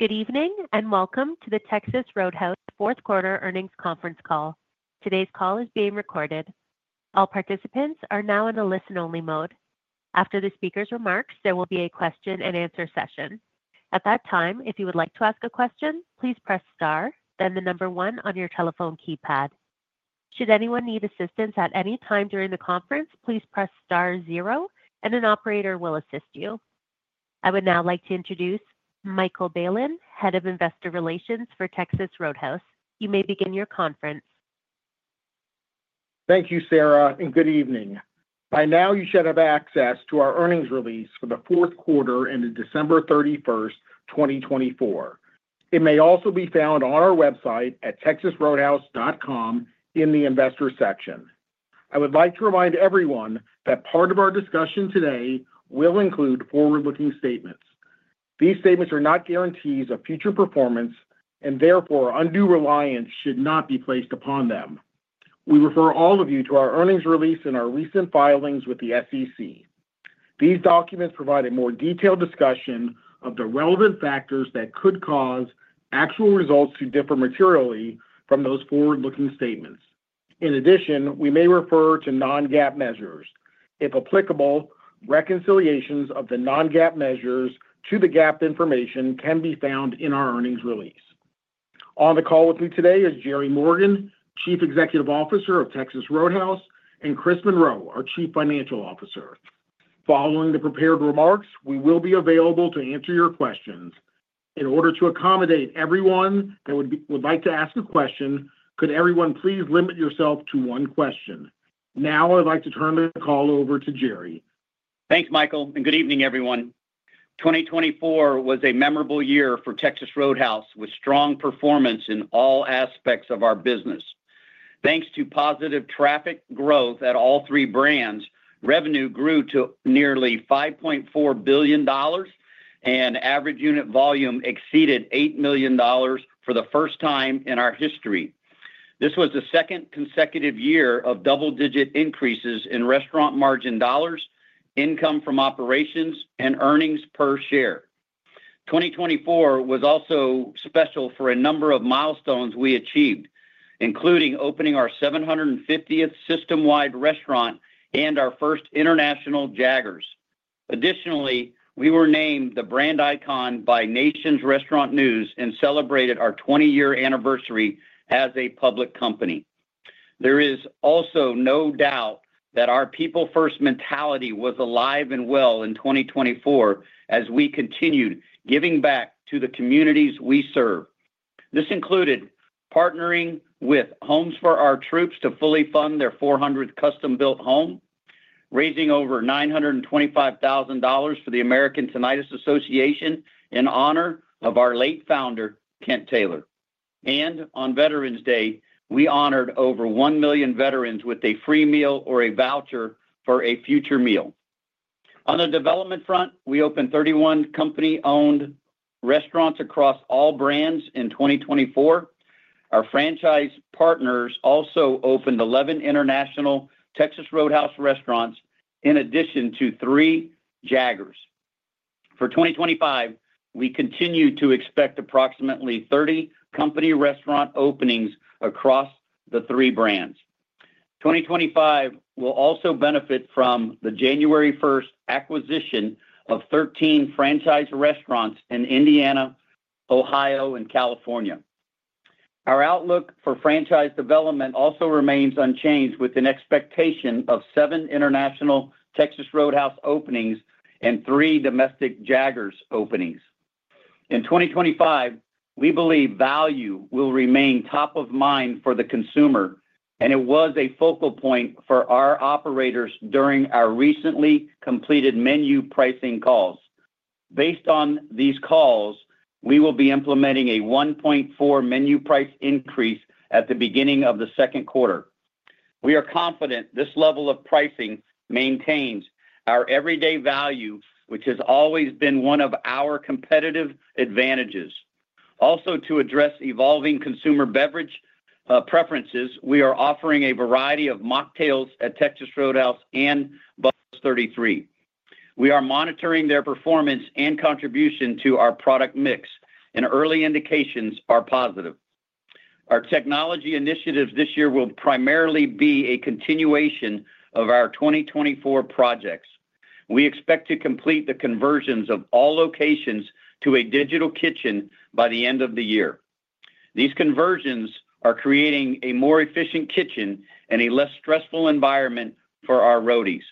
Good evening and welcome to the Texas Roadhouse fourth quarter earnings conference call. Today's call is being recorded. All participants are now in a listen-only mode. After the speaker's remarks, there will be a question-and-answer session. At that time, if you would like to ask a question, please press star, then the number one on your telephone keypad. Should anyone need assistance at any time during the conference, please press star zero, and an operator will assist you. I would now like to introduce Michael Bailen, Head of Investor Relations for Texas Roadhouse. You may begin your conference. Thank you, Sarah, and good evening. By now, you should have access to our earnings release for the fourth quarter ended December 31st, 2024. It may also be found on our website at texasroadhouse.com in the investor section. I would like to remind everyone that part of our discussion today will include forward-looking statements. These statements are not guarantees of future performance, and therefore, undue reliance should not be placed upon them. We refer all of you to our earnings release and our recent filings with the SEC. These documents provide a more detailed discussion of the relevant factors that could cause actual results to differ materially from those forward-looking statements. In addition, we may refer to non-GAAP measures. If applicable, reconciliations of the non-GAAP measures to the GAAP information can be found in our earnings release. On the call with me today is Jerry Morgan, Chief Executive Officer of Texas Roadhouse, and Chris Monroe, our Chief Financial Officer. Following the prepared remarks, we will be available to answer your questions. In order to accommodate everyone that would like to ask a question, could everyone please limit yourself to one question? Now, I'd like to turn the call over to Jerry. Thanks, Michael, and good evening, everyone. 2024 was a memorable year for Texas Roadhouse with strong performance in all aspects of our business. Thanks to positive traffic growth at all three brands, revenue grew to nearly $5.4 billion, and average unit volume exceeded $8 million for the first time in our history. This was the second consecutive year of double-digit increases in restaurant margin dollars, income from operations, and earnings per share. 2024 was also special for a number of milestones we achieved, including opening our 750th system-wide restaurant and our first international Jaggers. Additionally, we were named the brand icon by Nation's Restaurant News and celebrated our 20-year anniversary as a public company. There is also no doubt that our people-first mentality was alive and well in 2024 as we continued giving back to the communities we serve. This included partnering with Homes For Our Troops to fully fund their 400th custom-built home, raising over $925,000 for the American Tinnitus Association in honor of our late founder, Kent Taylor, and on Veterans Day, we honored over 1 million veterans with a free meal or a voucher for a future meal. On the development front, we opened 31 company-owned restaurants across all brands in 2024. Our franchise partners also opened 11 international Texas Roadhouse restaurants in addition to three Jaggers. For 2025, we continue to expect approximately 30 company restaurant openings across the three brands. 2025 will also benefit from the January 1st acquisition of 13 franchise restaurants in Indiana, Ohio, and California. Our outlook for franchise development also remains unchanged, with an expectation of seven international Texas Roadhouse openings and three domestic Jaggers openings. In 2025, we believe value will remain top of mind for the consumer, and it was a focal point for our operators during our recently completed menu pricing calls. Based on these calls, we will be implementing a 1.4% menu price increase at the beginning of the second quarter. We are confident this level of pricing maintains our everyday value, which has always been one of our competitive advantages. Also, to address evolving consumer beverage preferences, we are offering a variety of mocktails at Texas Roadhouse and Bubba's 33. We are monitoring their performance and contribution to our product mix, and early indications are positive. Our technology initiatives this year will primarily be a continuation of our 2024 projects. We expect to complete the conversions of all locations to a Digital Kitchen by the end of the year. These conversions are creating a more efficient kitchen and a less stressful environment for our Roadies.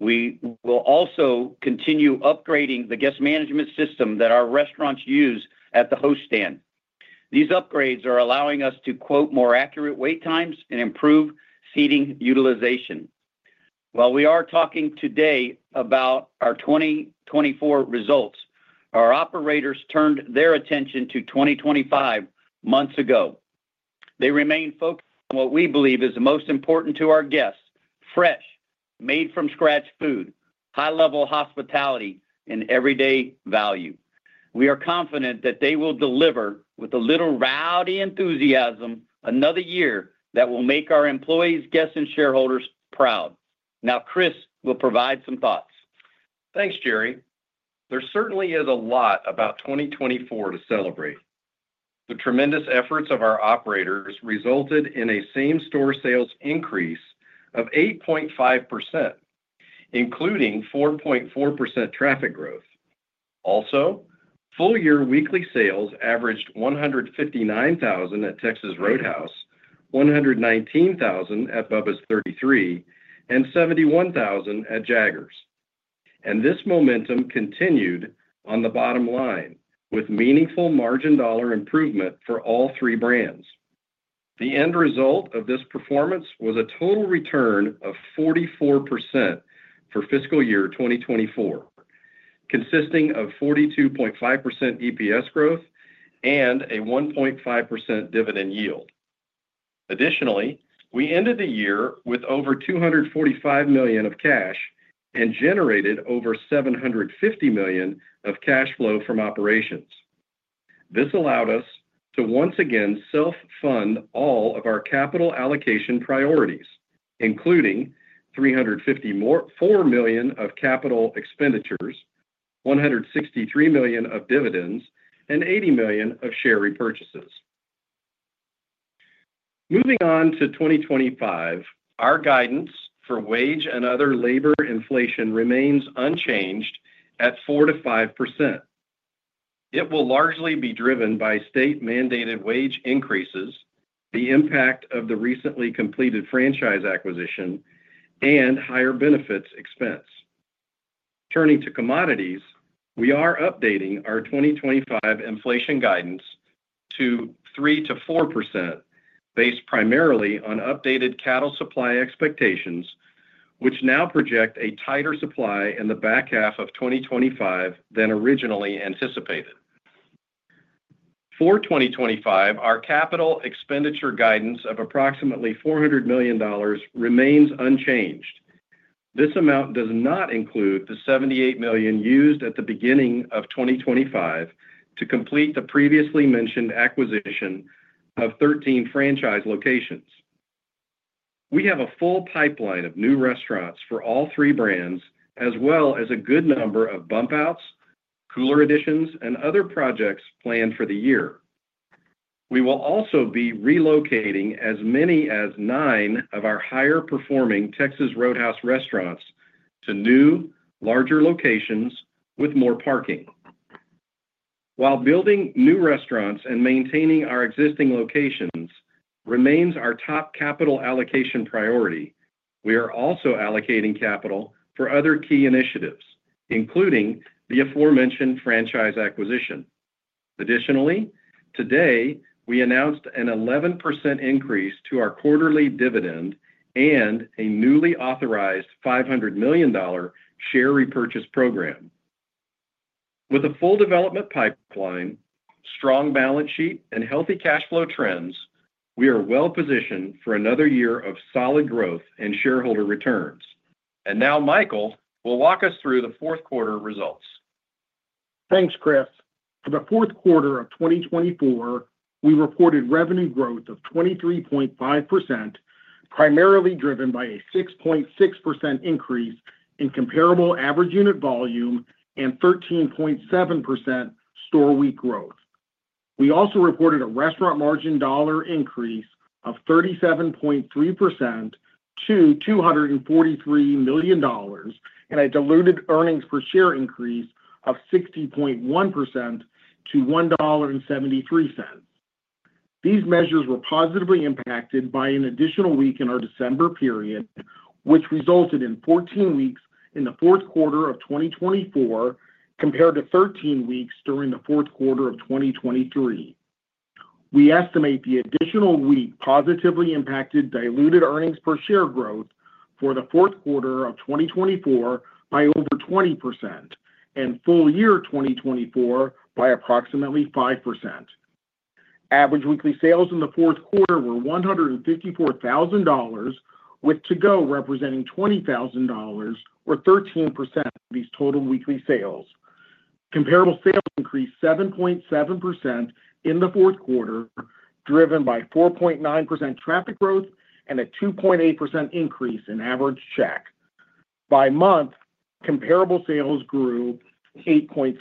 We will also continue upgrading the guest management system that our restaurants use at the host stand. These upgrades are allowing us to quote more accurate wait times and improve seating utilization. While we are talking today about our 2024 results, our operators turned their attention to 2025 months ago. They remain focused on what we believe is the most important to our guests: fresh, made-from-scratch food, high-level hospitality, and everyday value. We are confident that they will deliver, with a little rowdy enthusiasm, another year that will make our employees, guests, and shareholders proud. Now, Chris will provide some thoughts. Thanks, Jerry. There certainly is a lot about 2024 to celebrate. The tremendous efforts of our operators resulted in a same-store sales increase of 8.5%, including 4.4% traffic growth. Also, full-year weekly sales averaged $159,000 at Texas Roadhouse, $119,000 at Bubba's 33, and $71,000 at Jaggers. And this momentum continued on the bottom line with meaningful margin dollar improvement for all three brands. The end result of this performance was a total return of 44% for fiscal year 2024, consisting of 42.5% EPS growth and a 1.5% dividend yield. Additionally, we ended the year with over $245 million of cash and generated over $750 million of cash flow from operations. This allowed us to once again self-fund all of our capital allocation priorities, including $354 million of capital expenditures, $163 million of dividends, and $80 million of share repurchases. Moving on to 2025, our guidance for wage and other labor inflation remains unchanged at 4%-5%. It will largely be driven by state-mandated wage increases, the impact of the recently completed franchise acquisition, and higher benefits expense. Turning to commodities, we are updating our 2025 inflation guidance to 3%-4%, based primarily on updated cattle supply expectations, which now project a tighter supply in the back half of 2025 than originally anticipated. For 2025, our capital expenditure guidance of approximately $400 million remains unchanged. This amount does not include the $78 million used at the beginning of 2025 to complete the previously mentioned acquisition of 13 franchise locations. We have a full pipeline of new restaurants for all three brands, as well as a good number of bump-outs, cooler additions, and other projects planned for the year. We will also be relocating as many as nine of our higher-performing Texas Roadhouse restaurants to new, larger locations with more parking. While building new restaurants and maintaining our existing locations remains our top capital allocation priority, we are also allocating capital for other key initiatives, including the aforementioned franchise acquisition. Additionally, today, we announced an 11% increase to our quarterly dividend and a newly authorized $500 million share repurchase program. With a full development pipeline, strong balance sheet, and healthy cash flow trends, we are well-positioned for another year of solid growth and shareholder returns. And now, Michael will walk us through the fourth quarter results. Thanks, Chris. For the fourth quarter of 2024, we reported revenue growth of 23.5%, primarily driven by a 6.6% increase in comparable average unit volume and 13.7% store week growth. We also reported a restaurant margin dollar increase of 37.3% to $243 million, and a diluted earnings per share increase of 60.1% to $1.73. These measures were positively impacted by an additional week in our December period, which resulted in 14 weeks in the fourth quarter of 2024 compared to 13 weeks during the fourth quarter of 2023. We estimate the additional week positively impacted diluted earnings per share growth for the fourth quarter of 2024 by over 20%, and full year 2024 by approximately 5%. Average weekly sales in the fourth quarter were $154,000, with to-go representing $20,000, or 13% of these total weekly sales. Comparable sales increased 7.7% in the fourth quarter, driven by 4.9% traffic growth and a 2.8% increase in average check. By month, comparable sales grew 8.3%,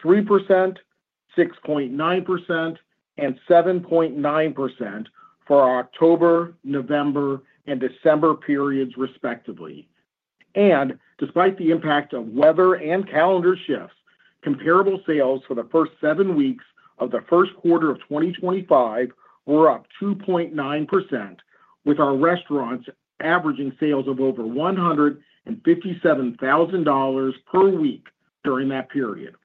6.9%, and 7.9% for October, November, and December periods, respectively, and despite the impact of weather and calendar shifts, comparable sales for the first seven weeks of the first quarter of 2025 were up 2.9%, with our restaurants averaging sales of over $157,000 per week during that period.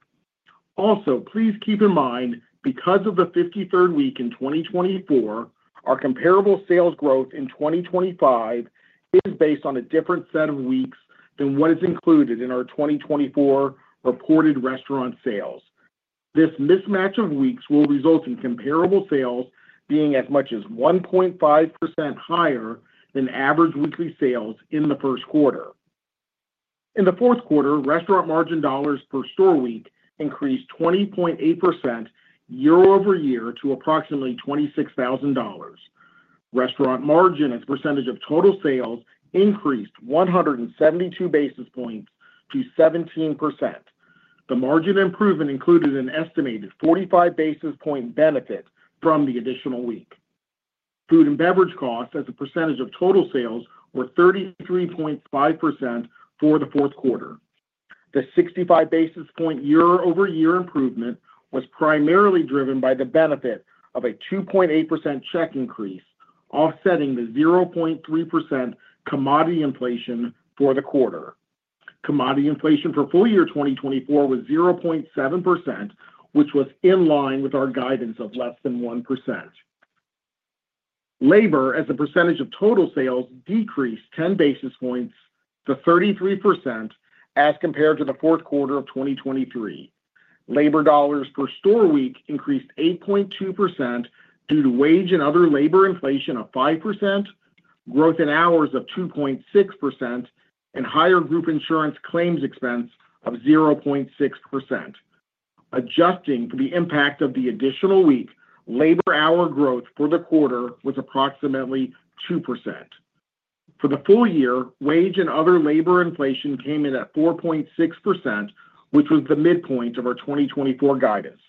Also, please keep in mind, because of the 53rd week in 2024, our comparable sales growth in 2025 is based on a different set of weeks than what is included in our 2024 reported restaurant sales. This mismatch of weeks will result in comparable sales being as much as 1.5% higher than average weekly sales in the first quarter. In the fourth quarter, restaurant margin dollars per store week increased 20.8% year-over-year to approximately $26,000. Restaurant margin as a percentage of total sales increased 172 basis points to 17%. The margin improvement included an estimated 45 basis point benefit from the additional week. Food and beverage costs as a percentage of total sales were 33.5% for the fourth quarter. The 65 basis point year-over-year improvement was primarily driven by the benefit of a 2.8% check increase, offsetting the 0.3% commodity inflation for the quarter. Commodity inflation for full year 2024 was 0.7%, which was in line with our guidance of less than 1%. Labor as a percentage of total sales decreased 10 basis points to 33% as compared to the fourth quarter of 2023. Labor dollars per store week increased 8.2% due to wage and other labor inflation of 5%, growth in hours of 2.6%, and higher group insurance claims expense of 0.6%. Adjusting for the impact of the additional week, labor hour growth for the quarter was approximately 2%. For the full year, wage and other labor inflation came in at 4.6%, which was the midpoint of our 2024 guidance.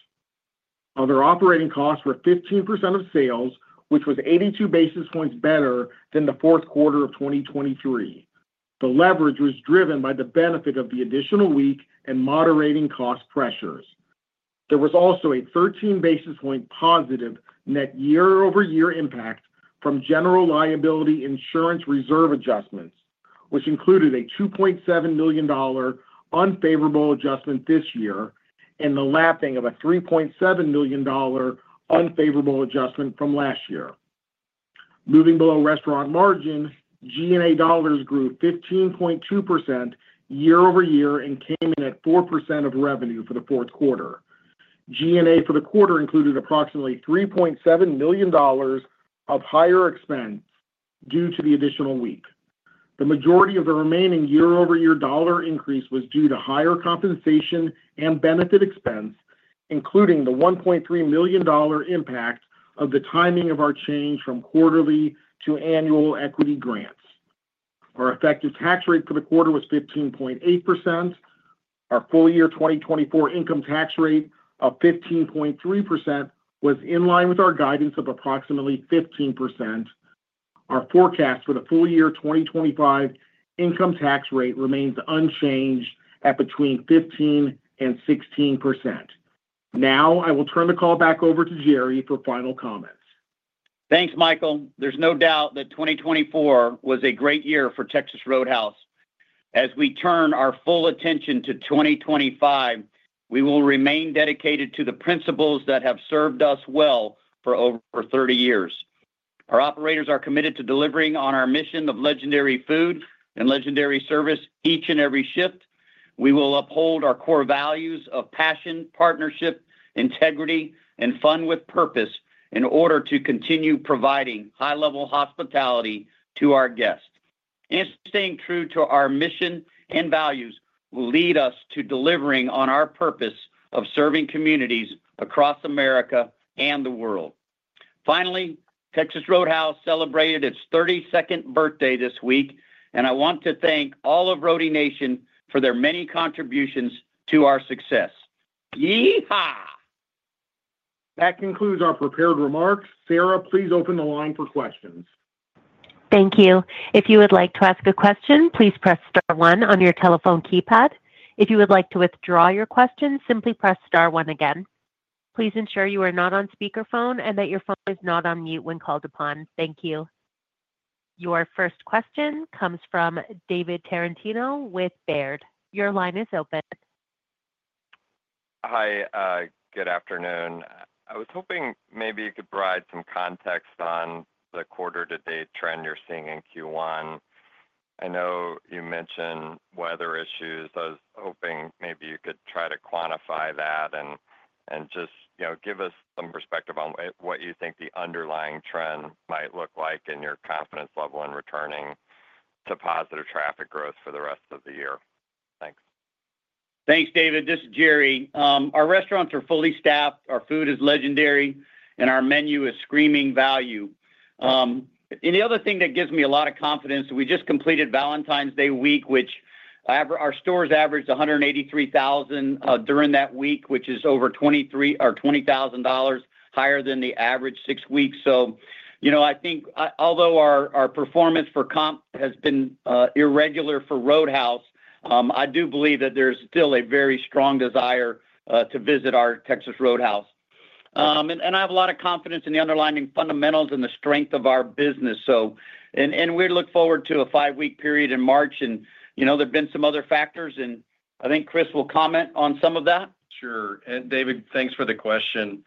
Other operating costs were 15% of sales, which was 82 basis points better than the fourth quarter of 2023. The leverage was driven by the benefit of the additional week and moderating cost pressures. There was also a 13 basis point positive net year-over-year impact from general liability insurance reserve adjustments, which included a $2.7 million unfavorable adjustment this year and the lapping of a $3.7 million unfavorable adjustment from last year. Moving below restaurant margin, G&A dollars grew 15.2% year-over-year and came in at 4% of revenue for the fourth quarter. G&A for the quarter included approximately $3.7 million of higher expense due to the additional week. The majority of the remaining year-over-year dollar increase was due to higher compensation and benefit expense, including the $1.3 million impact of the timing of our change from quarterly to annual equity grants. Our effective tax rate for the quarter was 15.8%. Our full year 2024 income tax rate of 15.3% was in line with our guidance of approximately 15%. Our forecast for the full year 2025 income tax rate remains unchanged at between 15% and 16%. Now, I will turn the call back over to Jerry for final comments. Thanks, Michael. There's no doubt that 2024 was a great year for Texas Roadhouse. As we turn our full attention to 2025, we will remain dedicated to the principles that have served us well for over 30 years. Our operators are committed to delivering on our mission of legendary food and legendary service each and every shift. We will uphold our Core Values of Passion, Partnership, Integrity, and Fun with Purpose in order to continue providing high-level hospitality to our guests. And staying true to our mission and values will lead us to delivering on our purpose of serving communities across America and the world. Finally, Texas Roadhouse celebrated its 32nd birthday this week, and I want to thank all of Roadie Nation for their many contributions to our success. Yeehaw! That concludes our prepared remarks. Sarah, please open the line for questions. Thank you. If you would like to ask a question, please press star one on your telephone keypad. If you would like to withdraw your question, simply press star one again. Please ensure you are not on speakerphone and that your phone is not on mute when called upon. Thank you. Your first question comes from David Tarantino with Baird. Your line is open. Hi. Good afternoon. I was hoping maybe you could provide some context on the quarter-to-date trend you're seeing in Q1? I know you mentioned weather issues. I was hoping maybe you could try to quantify that and just give us some perspective on what you think the underlying trend might look like and your confidence level in returning to positive traffic growth for the rest of the year? Thanks. Thanks, David. This is Jerry. Our restaurants are fully staffed. Our food is legendary, and our menu is screaming value. And the other thing that gives me a lot of confidence, we just completed Valentine's Day week, which our stores averaged $183,000 during that week, which is over $20,000 higher than the average six weeks. So I think although our performance for comp has been irregular for Texas Roadhouse, I do believe that there's still a very strong desire to visit our Texas Roadhouse. And I have a lot of confidence in the underlying fundamentals and the strength of our business. And we look forward to a five-week period in March. And there have been some other factors, and I think Chris will comment on some of that. Sure. And David, thanks for the question.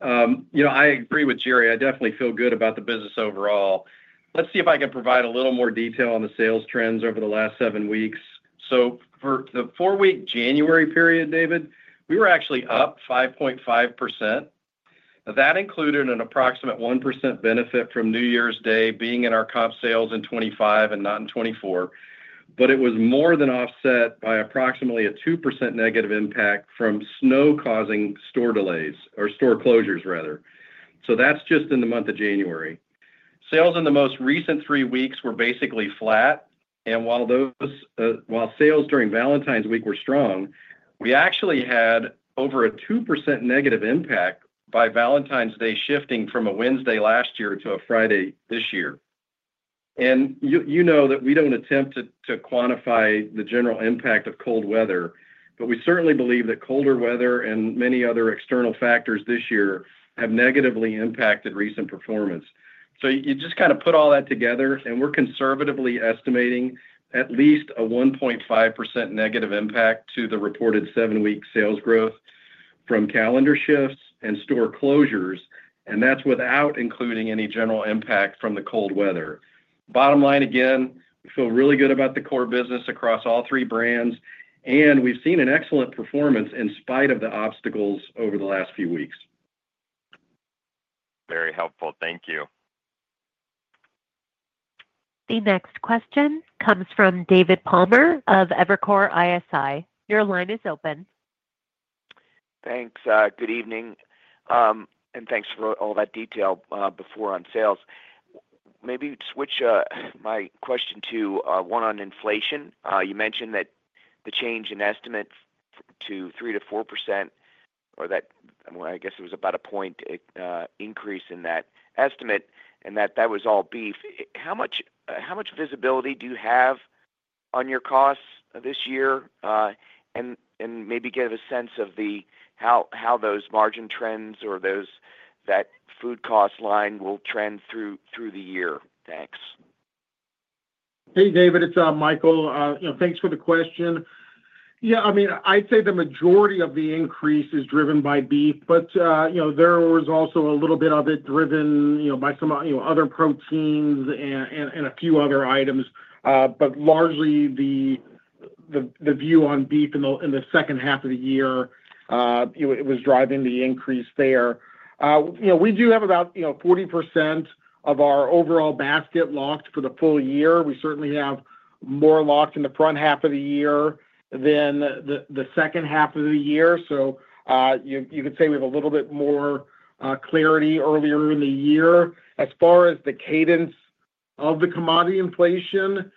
I agree with Jerry. I definitely feel good about the business overall. Let's see if I can provide a little more detail on the sales trends over the last seven weeks. So for the four-week January period, David, we were actually up 5.5%. That included an approximate 1% benefit from New Year's Day being in our comp sales in 2025 and not in 2024. But it was more than offset by approximately a 2% negative impact from snow causing store delays or store closures, rather. So that's just in the month of January. Sales in the most recent three weeks were basically flat. And while sales during Valentine's Week were strong, we actually had over a 2% negative impact by Valentine's Day shifting from a Wednesday last year to a Friday this year. And you know that we don't attempt to quantify the general impact of cold weather, but we certainly believe that colder weather and many other external factors this year have negatively impacted recent performance. So you just kind of put all that together, and we're conservatively estimating at least a 1.5% negative impact to the reported seven-week sales growth from calendar shifts and store closures. And that's without including any general impact from the cold weather. Bottom line, again, we feel really good about the core business across all three brands, and we've seen an excellent performance in spite of the obstacles over the last few weeks. Very helpful. Thank you. The next question comes from David Palmer of Evercore ISI. Your line is open. Thanks. Good evening. And thanks for all that detail before on sales. Maybe switch my question to one on inflation. You mentioned that the change in estimate to 3%-4%, or I guess it was about a point increase in that estimate, and that that was all beef. How much visibility do you have on your costs this year? And maybe give a sense of how those margin trends or that food cost line will trend through the year. Thanks. Hey, David. It's Michael. Thanks for the question. Yeah. I mean, I'd say the majority of the increase is driven by beef, but there was also a little bit of it driven by some other proteins and a few other items. But largely, the view on beef in the second half of the year was driving the increase there. We do have about 40% of our overall basket locked for the full year. We certainly have more locked in the front half of the year than the second half of the year. So you could say we have a little bit more clarity earlier in the year. As far as the cadence of the commodity inflation,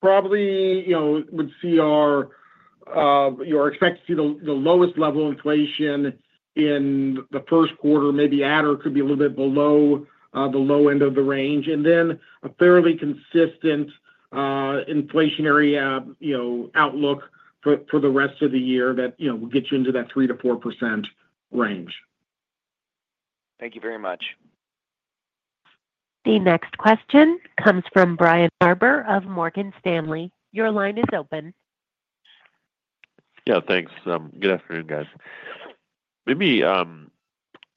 probably would see you expect to see the lowest level of inflation in the first quarter, maybe at or could be a little bit below the low end of the range. And then a fairly consistent inflationary outlook for the rest of the year that will get you into that 3%-4% range. Thank you very much. The next question comes from Brian Harbour of Morgan Stanley. Your line is open. Yeah. Thanks. Good afternoon, guys. Maybe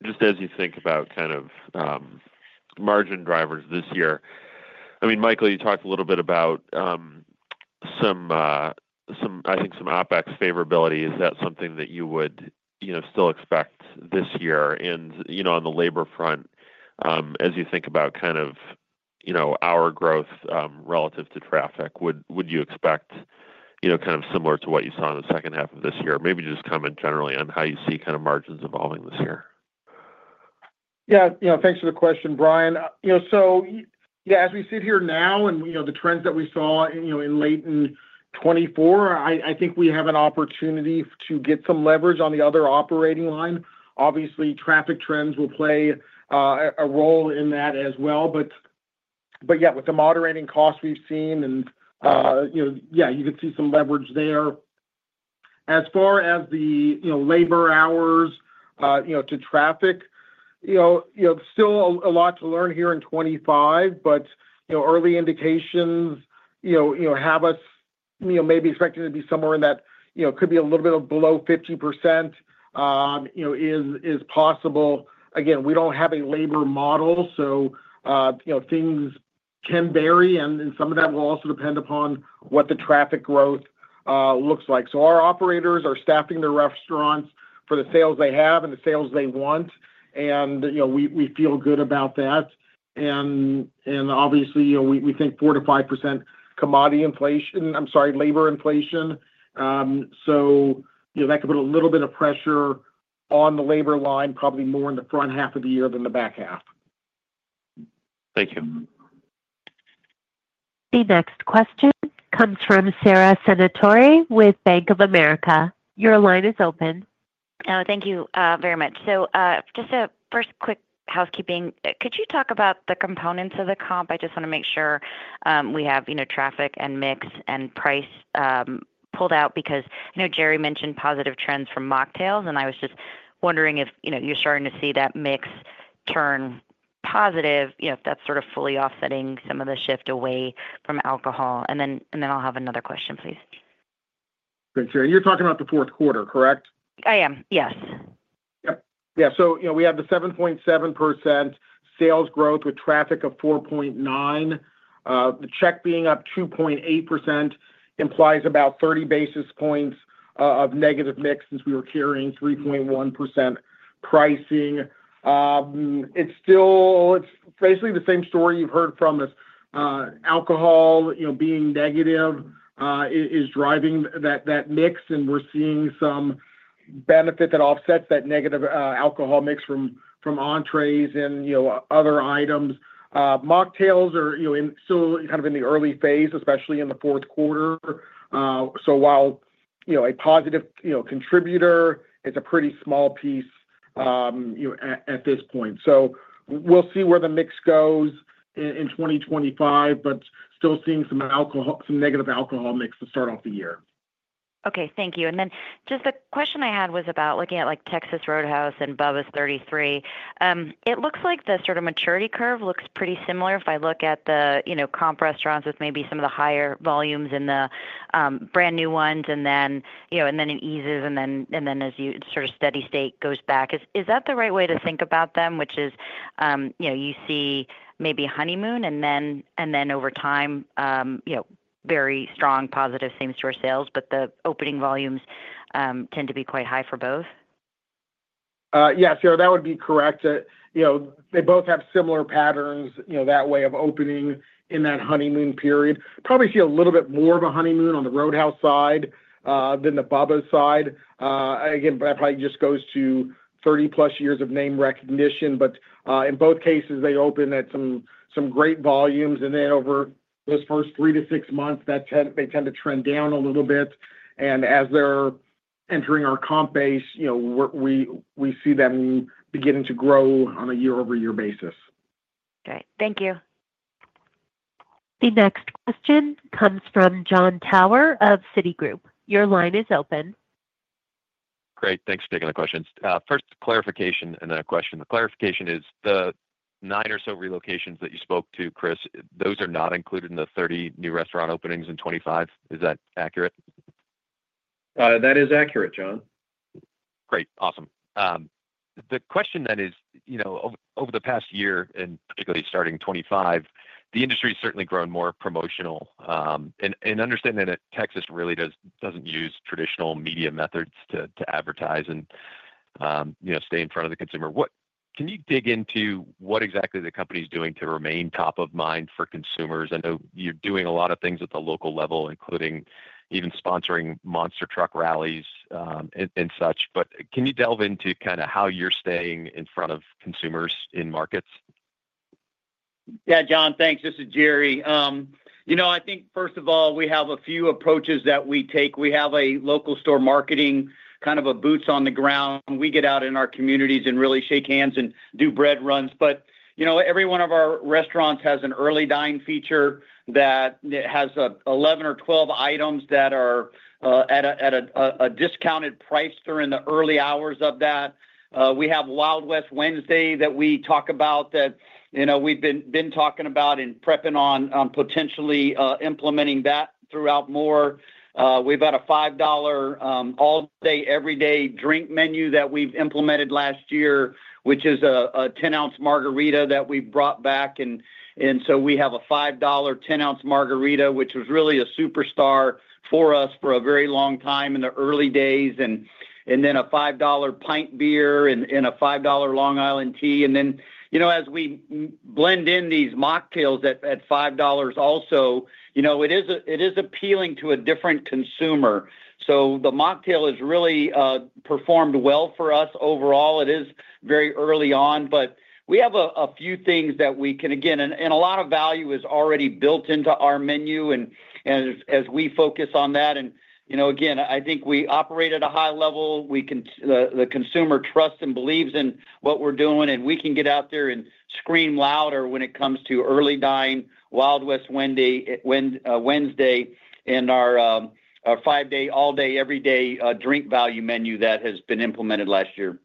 just as you think about kind of margin drivers this year, I mean, Michael, you talked a little bit about, I think, some OpEx favorability. Is that something that you would still expect this year? And on the labor front, as you think about kind of our growth relative to traffic, would you expect kind of similar to what you saw in the second half of this year? Maybe just comment generally on how you see kind of margins evolving this year. Yeah. Thanks for the question, Brian. So yeah, as we sit here now and the trends that we saw in late 2024, I think we have an opportunity to get some leverage on the other operating line. Obviously, traffic trends will play a role in that as well. But yeah, with the moderating costs we've seen, and yeah, you could see some leverage there. As far as the labor hours to traffic, still a lot to learn here in 2025, but early indications have us maybe expecting to be somewhere in that could be a little bit below 50% is possible. Again, we don't have a labor model, so things can vary, and some of that will also depend upon what the traffic growth looks like. So our operators are staffing their restaurants for the sales they have and the sales they want, and we feel good about that. Obviously, we think 4%-5% commodity inflation. I'm sorry, labor inflation, so that could put a little bit of pressure on the labor line, probably more in the front half of the year than the back half. Thank you. The next question comes from Sara Senatore with Bank of America. Your line is open. Thank you very much. So just a first quick housekeeping. Could you talk about the components of the comp? I just want to make sure we have traffic and mix and price pulled out because Jerry mentioned positive trends from mocktails, and I was just wondering if you're starting to see that mix turn positive, if that's sort of fully offsetting some of the shift away from alcohol. And then I'll have another question, please. Thanks, Sara. You're talking about the fourth quarter, correct? I am. Yes. Yep. Yeah. So we have the 7.7% sales growth with traffic of 4.9%. The check being up 2.8% implies about 30 basis points of negative mix since we were carrying 3.1% pricing. It's basically the same story you've heard from us. Alcohol being negative is driving that mix, and we're seeing some benefit that offsets that negative alcohol mix from entrees and other items. Mocktails are still kind of in the early phase, especially in the fourth quarter. So while a positive contributor, it's a pretty small piece at this point. So we'll see where the mix goes in 2025, but still seeing some negative alcohol mix to start off the year. Okay. Thank you. And then just the question I had was about looking at Texas Roadhouse and Bubba's 33. It looks like the sort of maturity curve looks pretty similar if I look at the comp restaurants with maybe some of the higher volumes in the brand new ones, and then it eases, and then as you sort of steady state goes back. Is that the right way to think about them, which is you see maybe honeymoon, and then over time, very strong positive same-store sales, but the opening volumes tend to be quite high for both? Yes, Sarah, that would be correct. They both have similar patterns that way of opening in that honeymoon period. Probably see a little bit more of a honeymoon on the Roadhouse side than the Bubba's side. Again, that probably just goes to 30+ years of name recognition. But in both cases, they open at some great volumes, and then over those first three to six months, they tend to trend down a little bit. And as they're entering our comp base, we see them beginning to grow on a year-over-year basis. Okay. Thank you. The next question comes from Jon Tower of Citigroup. Your line is open. Great. Thanks for taking the question. First clarification and then a question. The clarification is the nine or so relocations that you spoke to, Chris, those are not included in the 30 new restaurant openings in 2025. Is that accurate? That is accurate, John. Great. Awesome. The question then is, over the past year, and particularly starting 2025, the industry has certainly grown more promotional. And understanding that Texas really doesn't use traditional media methods to advertise and stay in front of the consumer, can you dig into what exactly the company is doing to remain top of mind for consumers? I know you're doing a lot of things at the local level, including even sponsoring monster truck rallies and such. But can you delve into kind of how you're staying in front of consumers in markets? Yeah, John, thanks. This is Jerry. I think, first of all, we have a few approaches that we take. We have a local store marketing kind of a boots on the ground. We get out in our communities and really shake hands and do bread runs. But every one of our restaurants has an Early Dine feature that has 11 or 12 items that are at a discounted price during the early hours of that. We have Wild West Wednesday that we talk about that we've been talking about and prepping on potentially implementing that throughout more. We've got a $5 All-day, Everyday drink menu that we've implemented last year, which is a 10oz margarita that we've brought back. And so we have a $5 10oz margarita, which was really a superstar for us for a very long time in the early days, and then a $5 pint beer and a $5 Long Island tea. And then as we blend in these mocktails at $5 also, it is appealing to a different consumer. So the mocktail has really performed well for us overall. It is very early on, but we have a few things that we can again, and a lot of value is already built into our menu as we focus on that. And again, I think we operate at a high level. The consumer trusts and believes in what we're doing, and we can get out there and scream louder when it comes to Early Dine Wild West Wednesday and our five-day, All-day, Everyday drink value menu that has been implemented last year.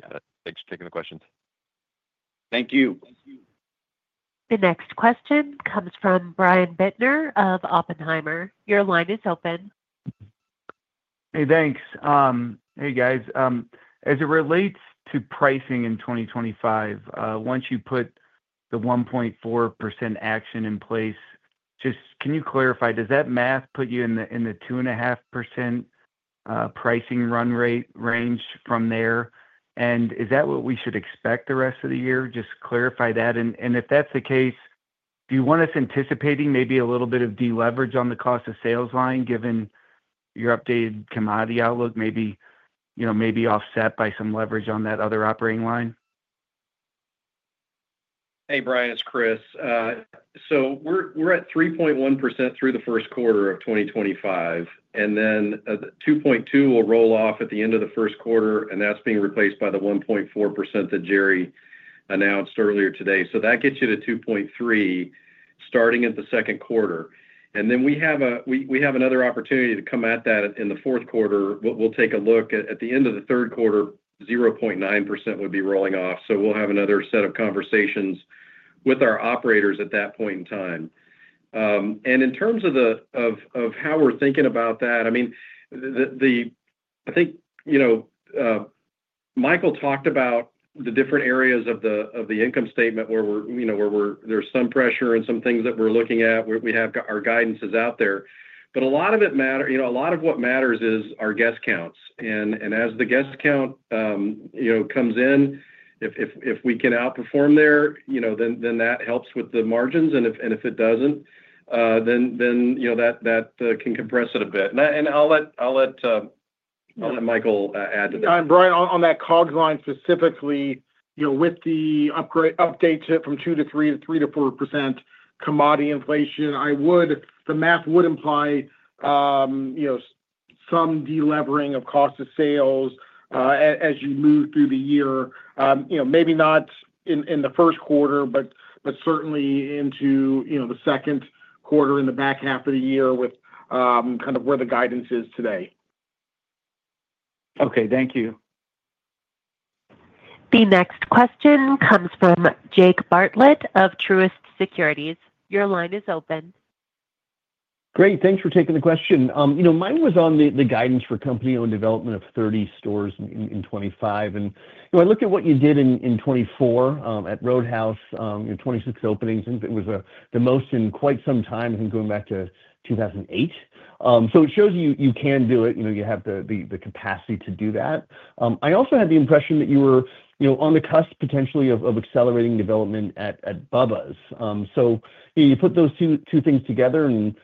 Got it. Thanks for taking the questions. Thank you. The next question comes from Brian Bittner of Oppenheimer. Your line is open. Hey, thanks. Hey, guys. As it relates to pricing in 2025, once you put the 1.4% action in place, just can you clarify, does that math put you in the 2.5% pricing run rate range from there? And is that what we should expect the rest of the year? Just clarify that. And if that's the case, do you want us anticipating maybe a little bit of deleverage on the cost of sales line given your updated commodity outlook, maybe offset by some leverage on that other operating line? Hey, Brian. It's Chris. So we're at 3.1% through the first quarter of 2025, and then 2.2% will roll off at the end of the first quarter, and that's being replaced by the 1.4% that Jerry announced earlier today. So that gets you to 2.3% starting at the second quarter. And then we have another opportunity to come at that in the fourth quarter. We'll take a look. At the end of the third quarter, 0.9% would be rolling off. So we'll have another set of conversations with our operators at that point in time. And in terms of how we're thinking about that, I mean, I think Michael talked about the different areas of the income statement where there's some pressure and some things that we're looking at. We have our guidances out there. But a lot of it matters. A lot of what matters is our guest counts. And as the guest count comes in, if we can outperform there, then that helps with the margins. And if it doesn't, then that can compress it a bit. And I'll let Michael add to that. Brian, on that COGS line specifically, with the update from 2%-3% to 3%-4% commodity inflation, the math would imply some delevering of cost of sales as you move through the year. Maybe not in the first quarter, but certainly into the second quarter in the back half of the year with kind of where the guidance is today. Okay. Thank you. The next question comes from Jake Bartlett of Truist Securities. Your line is open. Great. Thanks for taking the question. Mine was on the guidance for company-owned development of 30 stores in 2025. And I looked at what you did in 2024 at Roadhouse, 26 openings. It was the most in quite some time, I think, going back to 2008. So it shows you can do it. You have the capacity to do that. I also had the impression that you were on the cusp potentially of accelerating development at Bubba's. So you put those two things together, and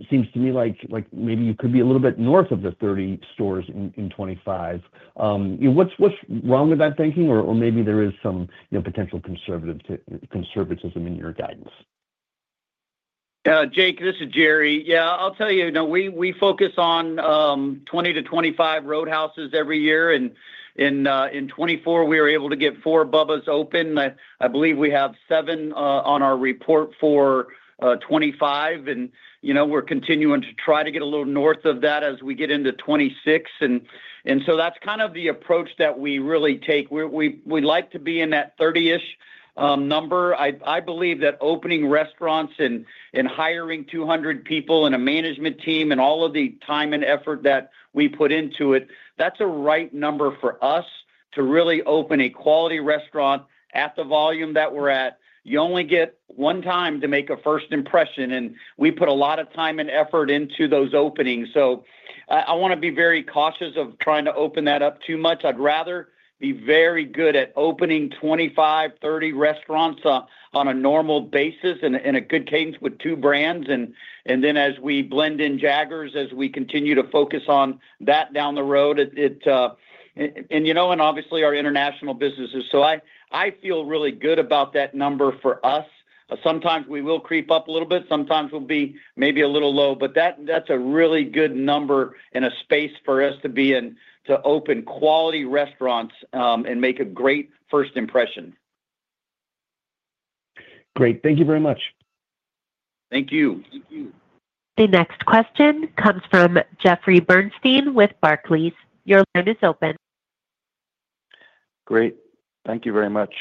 it seems to me like maybe you could be a little bit north of the 30 stores in 2025. What's wrong with that thinking, or maybe there is some potential conservatism in your guidance? Jake, this is Jerry. Yeah. I'll tell you, we focus on 20-25 Roadhouses every year, and in 2024, we were able to get four Bubba's open. I believe we have seven on our report for 2025. And we're continuing to try to get a little north of that as we get into 2026, and so that's kind of the approach that we really take. We'd like to be in that 30-ish number. I believe that opening restaurants and hiring 200 people and a management team and all of the time and effort that we put into it, that's a right number for us to really open a quality restaurant at the volume that we're at. You only get one time to make a first impression, and we put a lot of time and effort into those openings. So I want to be very cautious of trying to open that up too much. I'd rather be very good at opening 25, 30 restaurants on a normal basis in a good cadence with two brands. And then as we blend in Jaggers, as we continue to focus on that down the road, and obviously our international businesses. So I feel really good about that number for us. Sometimes we will creep up a little bit. Sometimes we'll be maybe a little low, but that's a really good number and a space for us to be in to open quality restaurants and make a great first impression. Great. Thank you very much. Thank you. The next question comes from Jeffrey Bernstein with Barclays. Your line is open. Great. Thank you very much.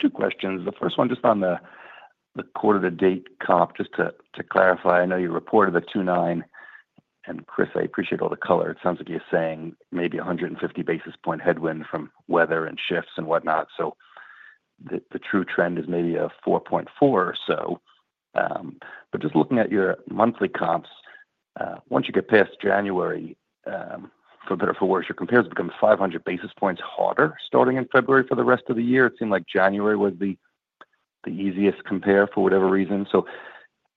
Two questions. The first one, just on the quarter-to-date comp, just to clarify. I know you reported a 2.9%. And Chris, I appreciate all the color. It sounds like you're saying maybe 150 basis point headwind from weather and shifts and whatnot. So the true trend is maybe a 4.4% or so. But just looking at your monthly comps, once you get past January, for better or for worse, your comparison becomes 500 basis points hotter starting in February for the rest of the year. It seemed like January was the easiest compare for whatever reason. So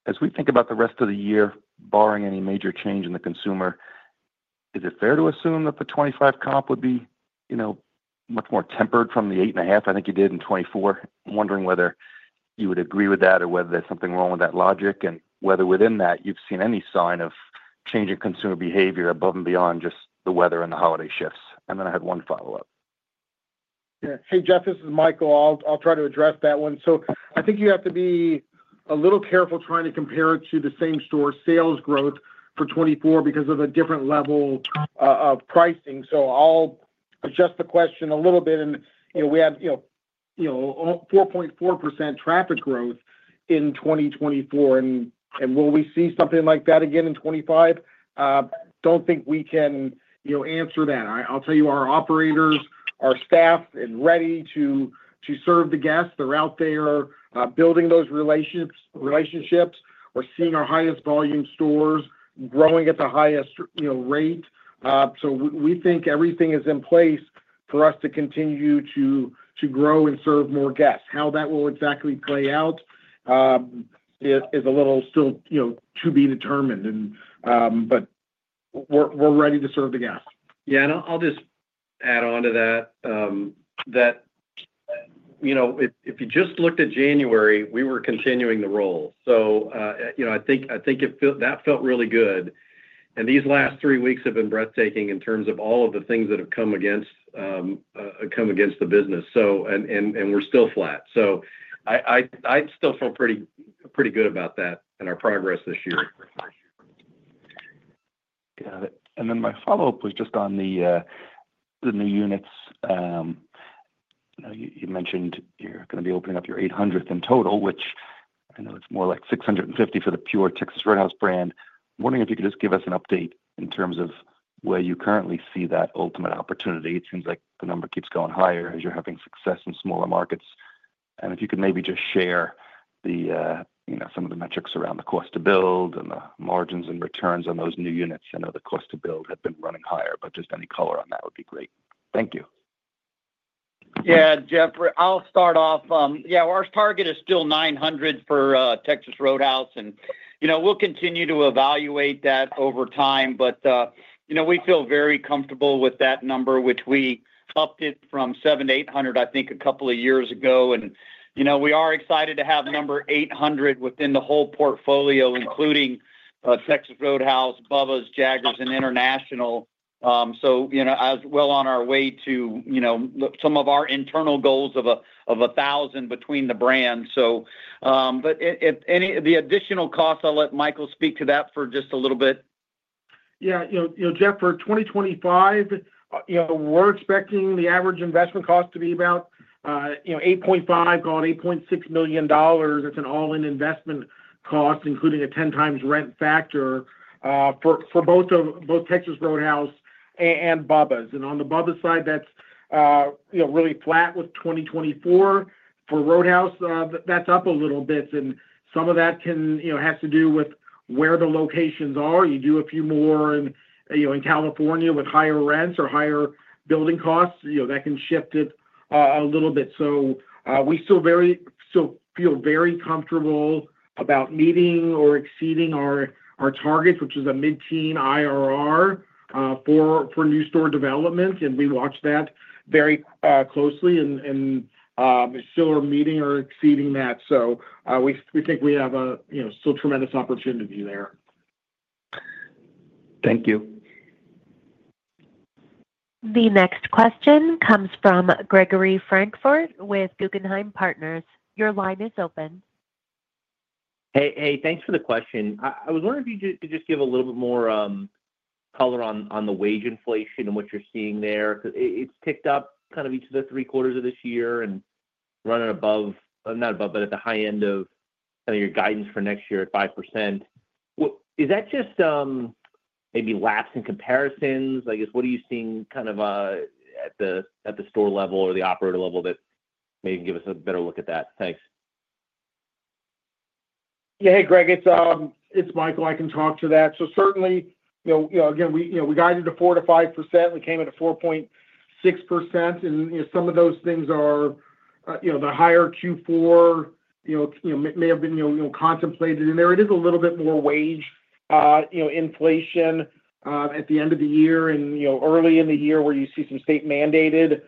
as we think about the rest of the year, barring any major change in the consumer, is it fair to assume that the 2025 comp would be much more tempered from the 8.5% I think you did in 2024? I'm wondering whether you would agree with that or whether there's something wrong with that logic and whether within that you've seen any sign of changing consumer behavior above and beyond just the weather and the holiday shifts. And then I had one follow-up. Yeah. Hey, Jeff, this is Michael. I'll try to address that one. So I think you have to be a little careful trying to compare it to the same store sales growth for 2024 because of the different level of pricing. So I'll adjust the question a little bit, and we have 4.4% traffic growth in 2024. And will we see something like that again in 2025? Don't think we can answer that. I'll tell you, our operators, our staff, and ready to serve the guests. They're out there building those relationships. We're seeing our highest volume stores growing at the highest rate, so we think everything is in place for us to continue to grow and serve more guests. How that will exactly play out is a little still to be determined, but we're ready to serve the guests. Yeah. And I'll just add on to that, that if you just looked at January, we were continuing the roll. So I think that felt really good. And these last three weeks have been breathtaking in terms of all of the things that have come against the business. And we're still flat. So I still feel pretty good about that and our progress this year. Got it. And then my follow-up was just on the new units. You mentioned you're going to be opening up your 800th in total, which I know it's more like 650 for the pure Texas Roadhouse brand. I'm wondering if you could just give us an update in terms of where you currently see that ultimate opportunity. It seems like the number keeps going higher as you're having success in smaller markets. And if you could maybe just share some of the metrics around the cost to build and the margins and returns on those new units. I know the cost to build had been running higher, but just any color on that would be great. Thank you. Yeah, Jeff, I'll start off. Yeah, our target is still 900 for Texas Roadhouse, and we'll continue to evaluate that over time. But we feel very comfortable with that number, which we upped it from 700-800, I think, a couple of years ago, and we are excited to have number 800 within the whole portfolio, including Texas Roadhouse, Bubba's, Jaggers, and international, so as well on our way to some of our internal goals of 1,000 between the brands, but the additional cost, I'll let Michael speak to that for just a little bit. Yeah. Jeff, for 2025, we're expecting the average investment cost to be about $8.5 million, call it $8.6 million. It's an all-in investment cost, including a 10x rent factor for both Texas Roadhouse and Bubba's. And on the Bubba's side, that's really flat with 2024. For Roadhouse, that's up a little bit. And some of that has to do with where the locations are. You do a few more in California with higher rents or higher building costs. That can shift it a little bit. So we still feel very comfortable about meeting or exceeding our targets, which is a mid-teen IRR for new store development. And we watch that very closely. And still, we're meeting or exceeding that. So we think we have still tremendous opportunity there. Thank you. The next question comes from Gregory Francfort with Guggenheim Partners. Your line is open. Hey, thanks for the question. I was wondering if you could just give a little bit more color on the wage inflation and what you're seeing there. It's ticked up kind of each of the three quarters of this year and running above, not above, but at the high end of your guidance for next year at 5%. Is that just maybe lapse in comparisons? I guess, what are you seeing kind of at the store level or the operator level that maybe give us a better look at that? Thanks. Yeah. Hey, Greg, it's Michael. I can talk to that. So certainly, again, we guided to 4%-5%. We came at a 4.6%. And some of those things are the higher Q4 may have been contemplated in there. It is a little bit more wage inflation at the end of the year and early in the year where you see some state-mandated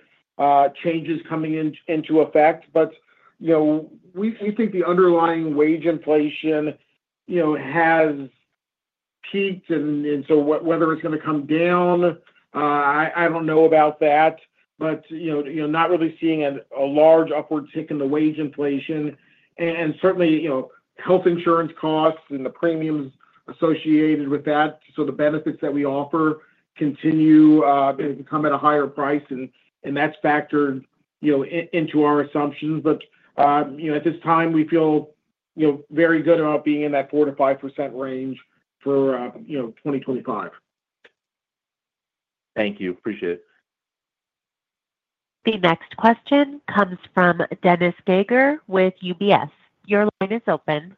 changes coming into effect. But we think the underlying wage inflation has peaked. And so whether it's going to come down, I don't know about that, but not really seeing a large upward tick in the wage inflation. And certainly, health insurance costs and the premiums associated with that. So the benefits that we offer continue to come at a higher price. And that's factored into our assumptions. But at this time, we feel very good about being in that 4%-5% range for 2025. Thank you. Appreciate it. The next question comes from Dennis Geiger with UBS. Your line is open.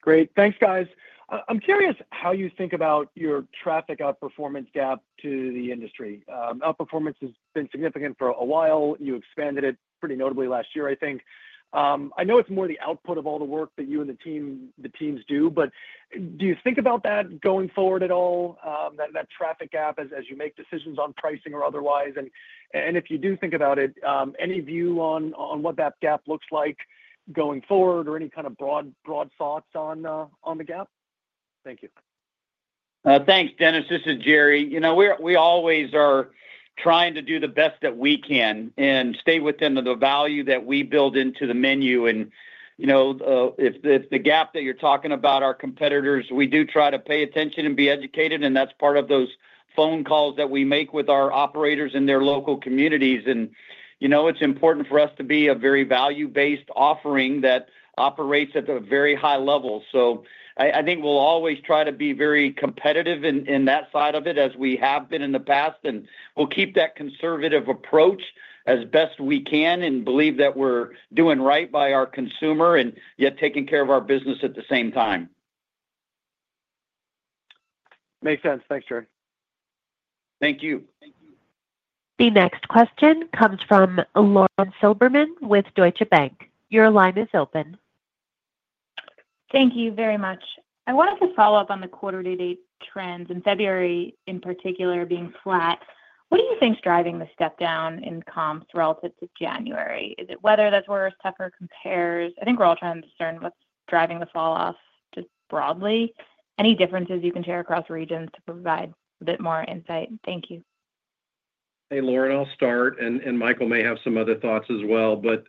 Great. Thanks, guys. I'm curious how you think about your traffic outperformance gap to the industry. Outperformance has been significant for a while. You expanded it pretty notably last year, I think. I know it's more the output of all the work that you and the teams do. But do you think about that going forward at all, that traffic gap as you make decisions on pricing or otherwise? And if you do think about it, any view on what that gap looks like going forward or any kind of broad thoughts on the gap? Thank you. Thanks, Dennis. This is Jerry. We always are trying to do the best that we can and stay within the value that we build into the menu, and if the gap that you're talking about with our competitors, we do try to pay attention and be educated, and that's part of those phone calls that we make with our operators in their local communities, and it's important for us to be a very value-based offering that operates at a very high level, so I think we'll always try to be very competitive in that side of it as we have been in the past, and we'll keep that conservative approach as best we can and believe that we're doing right by our consumer and yet taking care of our business at the same time. Makes sense. Thanks, Jerry. Thank you. The next question comes from Lauren Silberman with Deutsche Bank. Your line is open. Thank you very much. I wanted to follow up on the quarter-to-date trends in February in particular being flat. What do you think's driving the step down in comps relative to January? Is it weather that's worse, tougher compares? I think we're all trying to discern what's driving the falloff just broadly. Any differences you can share across regions to provide a bit more insight? Thank you. Hey, Lauren, I'll start, and Michael may have some other thoughts as well, but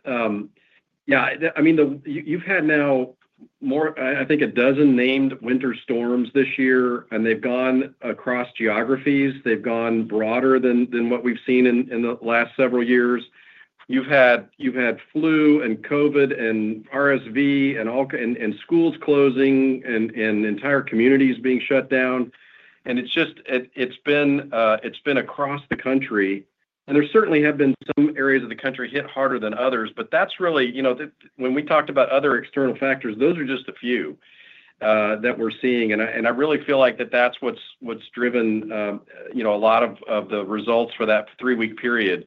yeah, I mean, you've had now, I think, a dozen named winter storms this year, and they've gone across geographies. They've gone broader than what we've seen in the last several years. You've had flu and COVID and RSV and schools closing and entire communities being shut down, and it's been across the country, and there certainly have been some areas of the country hit harder than others, but that's really when we talked about other external factors, those are just a few that we're seeing, and I really feel like that that's what's driven a lot of the results for that three-week period,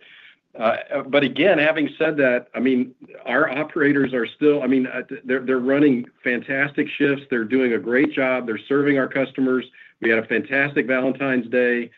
but again, having said that, I mean, our operators are still, I mean, they're running fantastic shifts. They're doing a great job. They're serving our customers. We had a fantastic Valentine's Day.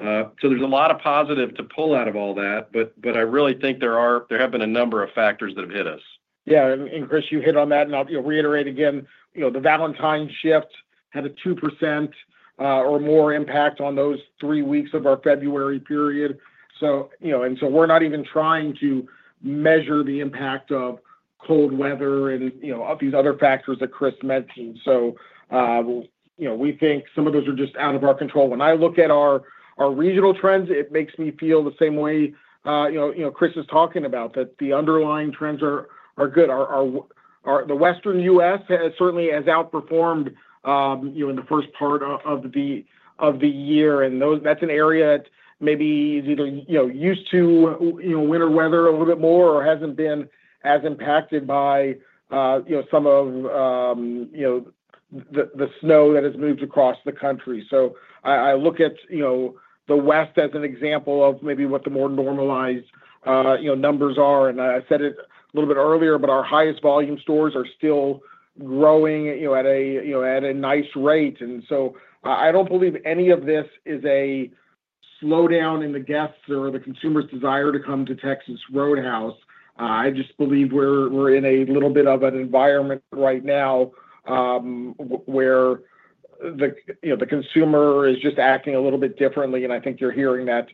So there's a lot of positive to pull out of all that. But I really think there have been a number of factors that have hit us. Yeah. And Chris, you hit on that. And I'll reiterate again, the Valentine's shift had a 2% or more impact on those three weeks of our February period. And so we're not even trying to measure the impact of cold weather and these other factors that Chris mentioned. So we think some of those are just out of our control. When I look at our regional trends, it makes me feel the same way Chris is talking about, that the underlying trends are good. The Western U.S. certainly has outperformed in the first part of the year. And that's an area that maybe is either used to winter weather a little bit more or hasn't been as impacted by some of the snow that has moved across the country. So I look at the West as an example of maybe what the more normalized numbers are. And I said it a little bit earlier, but our highest volume stores are still growing at a nice rate. And so I don't believe any of this is a slowdown in the guests or the consumer's desire to come to Texas Roadhouse. I just believe we're in a little bit of an environment right now where the consumer is just acting a little bit differently. And I think you're hearing that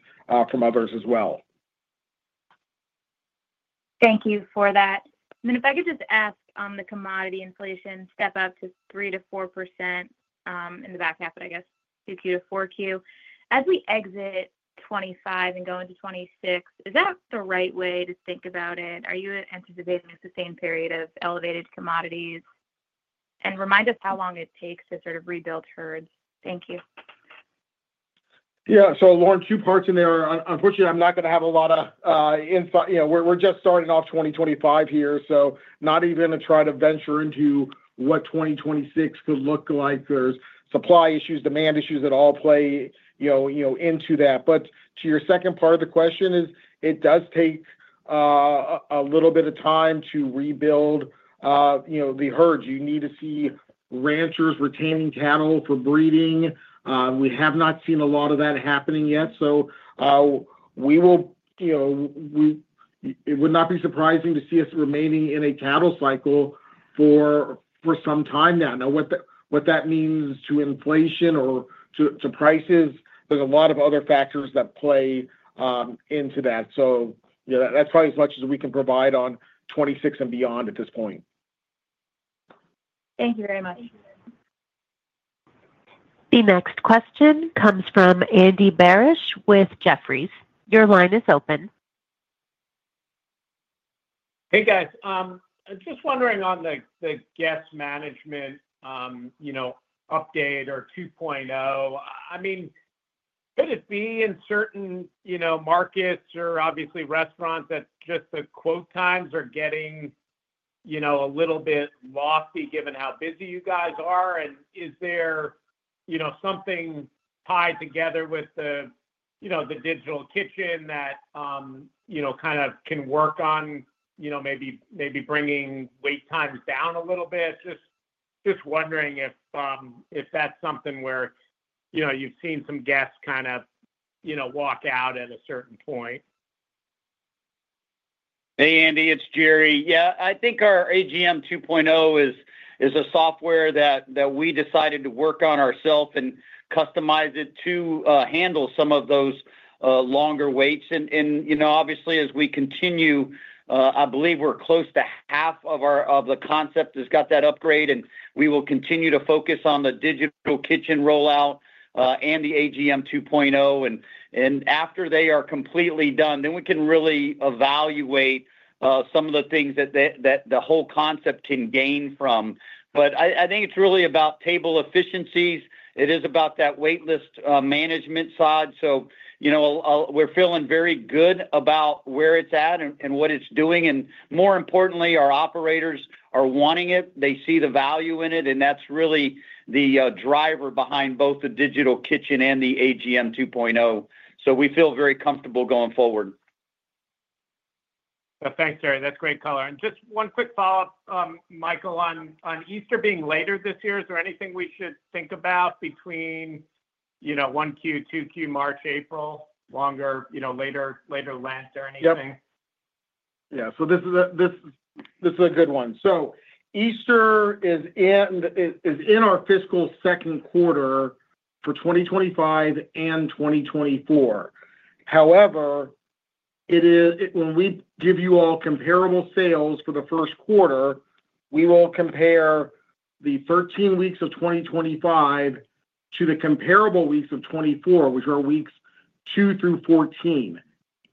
from others as well. Thank you for that. And then if I could just ask on the commodity inflation step up to 3%-4% in the back half, but I guess 2Q to 4Q. As we exit 2025 and go into 2026, is that the right way to think about it? Are you anticipating a sustained period of elevated commodities? And remind us how long it takes to sort of rebuild herds. Thank you. Yeah. So Lauren, two parts in there. Unfortunately, I'm not going to have a lot of insight. We're just starting off 2025 here, so not even going to try to venture into what 2026 could look like. There's supply issues, demand issues that all play into that. But to your second part of the question is, it does take a little bit of time to rebuild the herds. You need to see ranchers retaining cattle for breeding. We have not seen a lot of that happening yet. So we will, it would not be surprising to see us remaining in a cattle cycle for some time now. Now, what that means to inflation or to prices, there's a lot of other factors that play into that. So that's probably as much as we can provide on 2026 and beyond at this point. Thank you very much. The next question comes from Andy Barish with Jefferies. Your line is open. Hey, guys. Just wondering on the guest management update or 2.0. I mean, could it be in certain markets or obviously restaurants that just the quote times are getting a little bit lofty given how busy you guys are? And is there something tied together with the Digital Kitchen that kind of can work on maybe bringing wait times down a little bit? Just wondering if that's something where you've seen some guests kind of walk out at a certain point. Hey, Andy, it's Jerry. Yeah. I think our AGM 2.0 is a software that we decided to work on ourselves and customize it to handle some of those longer waits. And obviously, as we continue, I believe we're close to half of the concept has got that upgrade. And we will continue to focus on the Digital Kitchen rollout and the AGM 2.0. And after they are completely done, then we can really evaluate some of the things that the whole concept can gain from. But I think it's really about table efficiencies. It is about that waitlist management side. So we're feeling very good about where it's at and what it's doing. And more importantly, our operators are wanting it. They see the value in it. And that's really the driver behind both the Digital Kitchen and the AGM 2.0. So we feel very comfortable going forward. Thanks, Jerry. That's great color. Just one quick follow-up, Michael, on Easter being later this year. Is there anything we should think about between 1Q, 2Q, March, April, longer, later length, or anything? Yeah. So this is a good one. So Easter is in our fiscal second quarter for 2025 and 2024. However, when we give you all comparable sales for the first quarter, we will compare the 13 weeks of 2025 to the comparable weeks of 2024, which are weeks two through 14.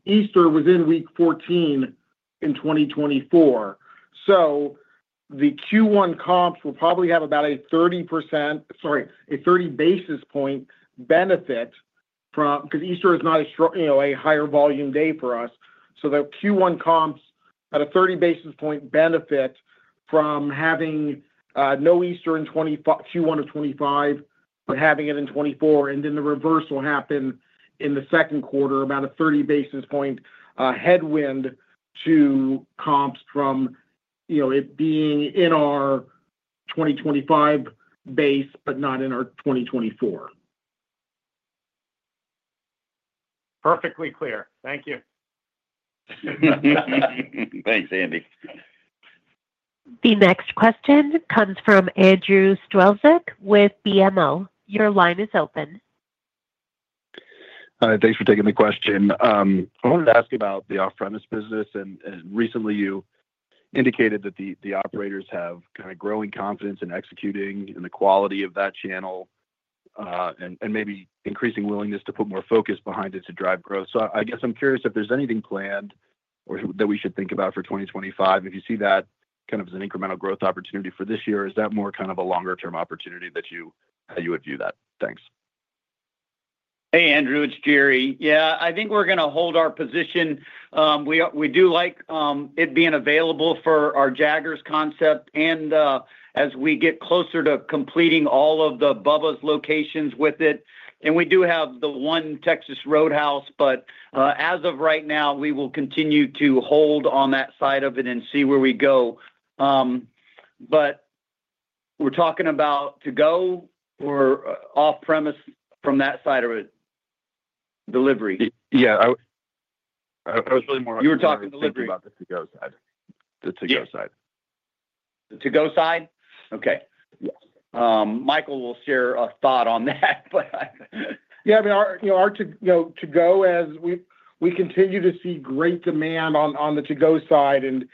Easter was in week 14 in 2024. So the Q1 comps will probably have about a 30%, sorry, a 30 basis point benefit from because Easter is not a higher volume day for us. So the Q1 comps at a 30 basis point benefit from having no Easter in Q1 of 2025, but having it in 2024. And then the reverse will happen in the second quarter, about a 30 basis point headwind to comps from it being in our 2025 base, but not in our 2024. Perfectly clear. Thank you. Thanks, Andy. The next question comes from Andrew Strelzik with BMO. Your line is open. Thanks for taking the question. I wanted to ask about the off-premise business, and recently, you indicated that the operators have kind of growing confidence in executing and the quality of that channel and maybe increasing willingness to put more focus behind it to drive growth, so I guess I'm curious if there's anything planned that we should think about for 2025. If you see that kind of as an incremental growth opportunity for this year, is that more kind of a longer-term opportunity that you would view that? Thanks. Hey, Andrew, it's Jerry. Yeah, I think we're going to hold our position. We do like it being available for our Jaggers concept. And as we get closer to completing all of the Bubba's locations with it, and we do have the one Texas Roadhouse, but as of right now, we will continue to hold on that side of it and see where we go. But we're talking about To Go or off-premise from that side of it, delivery? Yeah. I was really more interested in delivery about the To Go side. The To Go side? Okay. Michael will share a thought on that. Yeah. I mean, our To Go as we continue to see great demand on the to-go side and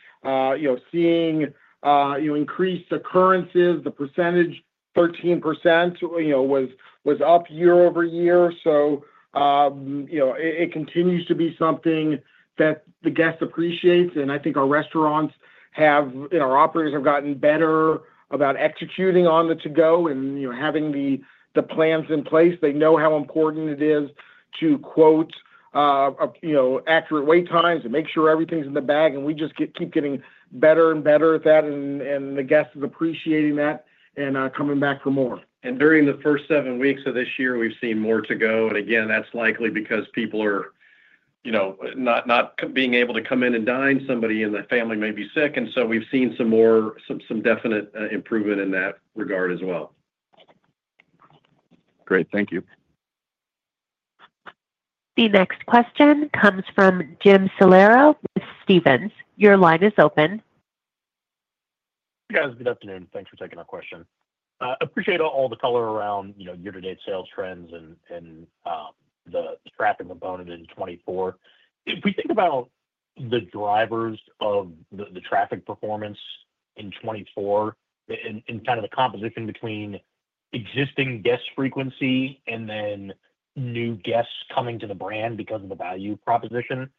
seeing increased occurrences, the percentage, 13%, was up year-over-year. So it continues to be something that the guests appreciate. And I think our restaurants have and our operators have gotten better about executing on the to-go and having the plans in place. They know how important it is to quote accurate wait times and make sure everything's in the bag. And we just keep getting better and better at that. And the guests are appreciating that and coming back for more. During the first seven weeks of this year, we've seen more to-go. Again, that's likely because people are not able to come in and dine. Somebody in the family may be sick. So we've seen some definite improvement in that regard as well. Great. Thank you. The next question comes from Jim Salera with Stephens. Your line is open. Hey, guys. Good afternoon. Thanks for taking our question. I appreciate all the color around year-to-date sales trends and the traffic component in 2024. If we think about the drivers of the traffic performance in 2024 and kind of the composition between existing guest frequency and then new guests coming to the brand because of the value proposition,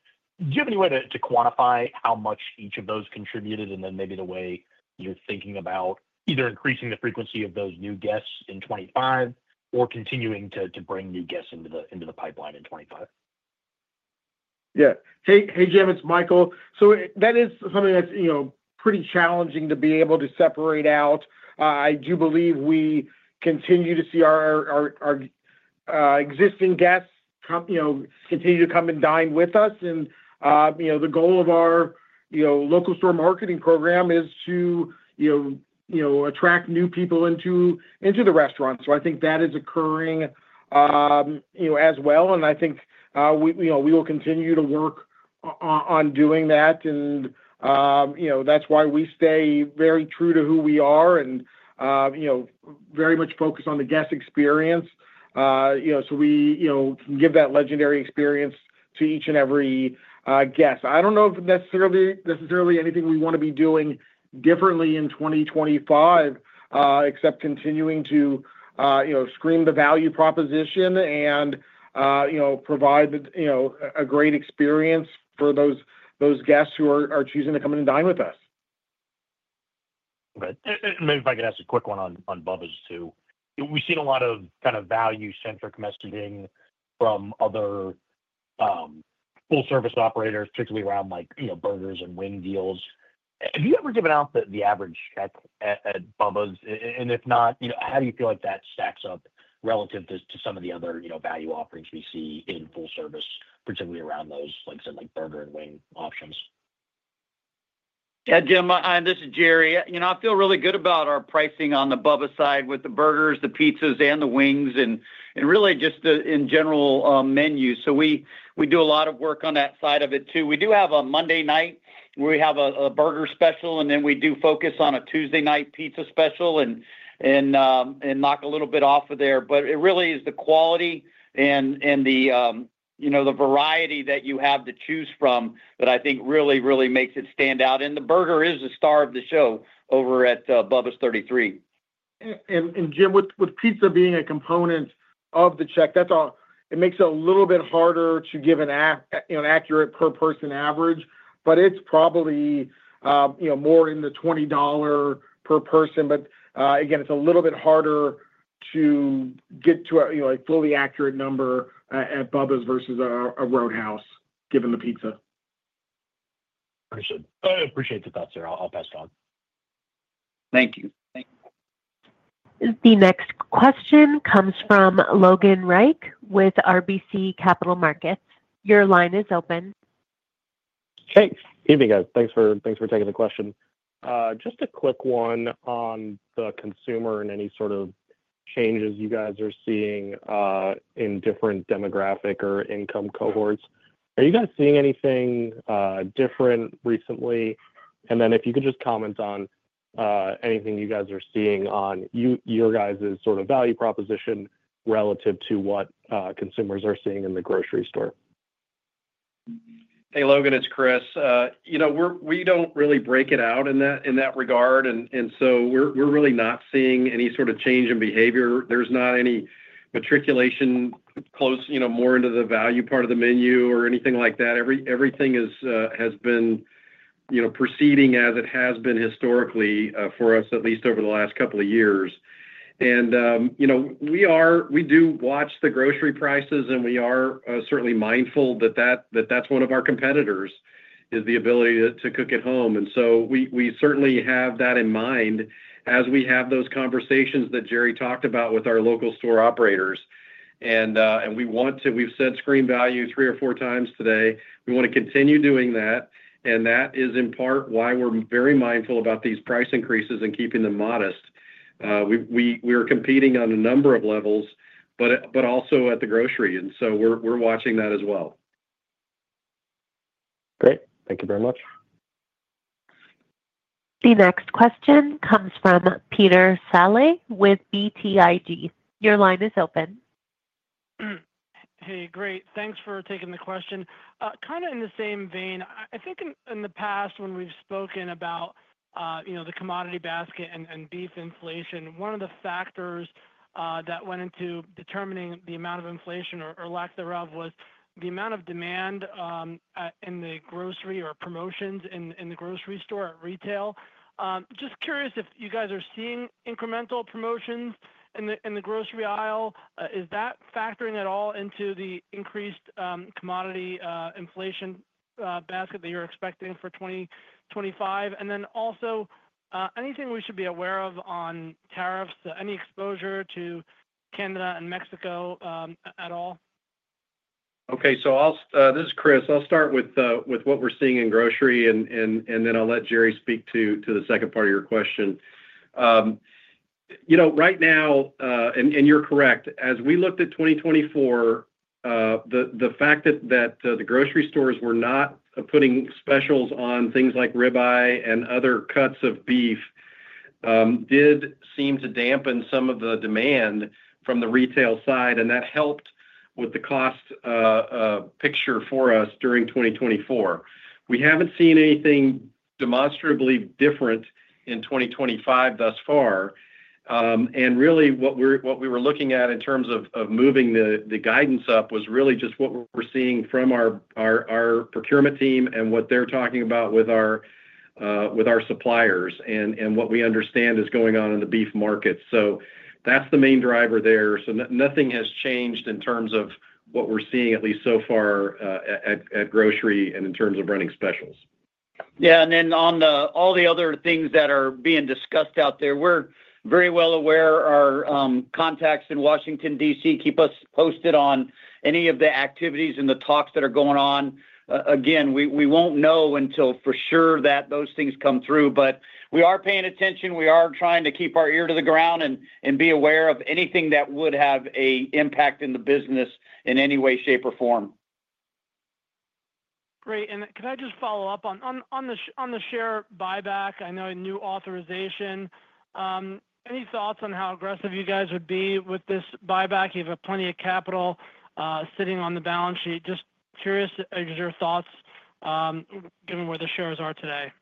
do you have any way to quantify how much each of those contributed and then maybe the way you're thinking about either increasing the frequency of those new guests in 2025 or continuing to bring new guests into the pipeline in 2025? Yeah. Hey, Jim, it's Michael. So that is something that's pretty challenging to be able to separate out. I do believe we continue to see our existing guests continue to come and dine with us. And the goal of our local store marketing program is to attract new people into the restaurant. So I think that is occurring as well. And I think we will continue to work on doing that. And that's why we stay very true to who we are and very much focus on the guest experience so we can give that legendary experience to each and every guest. I don't know if necessarily anything we want to be doing differently in 2025, except continuing to scream the value proposition and provide a great experience for those guests who are choosing to come and dine with us. Okay. And maybe if I could ask a quick one on Bubba's too. We've seen a lot of kind of value-centric messaging from other full-service operators, particularly around burgers and wing deals. Have you ever given out the average check at Bubba's? And if not, how do you feel like that stacks up relative to some of the other value offerings we see in full service, particularly around those, like I said, burger and wing options? Yeah, Jim, this is Jerry. I feel really good about our pricing on the Bubba's side with the burgers, the pizzas, and the wings, and really just in general menus. So we do a lot of work on that side of it too. We do have a Monday night where we have a burger special, and then we do focus on a Tuesday night pizza special and knock a little bit off of there. But it really is the quality and the variety that you have to choose from that I think really, really makes it stand out. And the burger is the star of the show over at Bubba's 33. Jim, with pizza being a component of the check, it makes it a little bit harder to give an accurate per-person average, but it's probably more in the $20 per person. But again, it's a little bit harder to get to a fully accurate number at Bubba's versus a Roadhouse given the pizza. Understood. I appreciate the thoughts, sir. I'll pass it on. Thank you. The next question comes from Logan Reich with RBC Capital Markets. Your line is open. Hey, evening guys. Thanks for taking the question. Just a quick one on the consumer and any sort of changes you guys are seeing in different demographic or income cohorts. Are you guys seeing anything different recently? And then if you could just comment on anything you guys are seeing on your guys' sort of value proposition relative to what consumers are seeing in the grocery store. Hey, Logan, it's Chris. We don't really break it out in that regard. And so we're really not seeing any sort of change in behavior. There's not any migration closer to the value part of the menu or anything like that. Everything has been proceeding as it has been historically for us, at least over the last couple of years. And we do watch the grocery prices, and we are certainly mindful that that's one of our competitors, the ability to cook at home. And so we certainly have that in mind as we have those conversations that Jerry talked about with our local store operators. And we've said scream value three or four times today. We want to continue doing that. And that is in part why we're very mindful about these price increases and keeping them modest. We are competing on a number of levels, but also at the grocery, and so we're watching that as well. Great. Thank you very much. The next question comes from Peter Saleh with BTIG. Your line is open. Hey, great. Thanks for taking the question. Kind of in the same vein, I think in the past when we've spoken about the commodity basket and beef inflation, one of the factors that went into determining the amount of inflation or lack thereof was the amount of demand in the grocery or promotions in the grocery store at retail. Just curious if you guys are seeing incremental promotions in the grocery aisle. Is that factoring at all into the increased commodity inflation basket that you're expecting for 2025? And then also, anything we should be aware of on tariffs, any exposure to Canada and Mexico at all? Okay, so this is Chris. I'll start with what we're seeing in grocery, and then I'll let Jerry speak to the second part of your question. Right now, and you're correct, as we looked at 2024, the fact that the grocery stores were not putting specials on things like ribeye and other cuts of beef did seem to dampen some of the demand from the retail side, and that helped with the cost picture for us during 2024. We haven't seen anything demonstrably different in 2025 thus far, and really, what we were looking at in terms of moving the guidance up was really just what we're seeing from our procurement team and what they're talking about with our suppliers and what we understand is going on in the beef market, so that's the main driver there. So nothing has changed in terms of what we're seeing, at least so far, at grocery and in terms of running specials. Yeah. And then on all the other things that are being discussed out there, we're very well aware. Our contacts in Washington, D.C., keep us posted on any of the activities and the talks that are going on. Again, we won't know until for sure that those things come through, but we are paying attention. We are trying to keep our ear to the ground and be aware of anything that would have an impact in the business in any way, shape, or form. Great. And can I just follow up on the share buyback? I know a new authorization. Any thoughts on how aggressive you guys would be with this buyback? You have plenty of capital sitting on the balance sheet. Just curious, your thoughts given where the shares are today.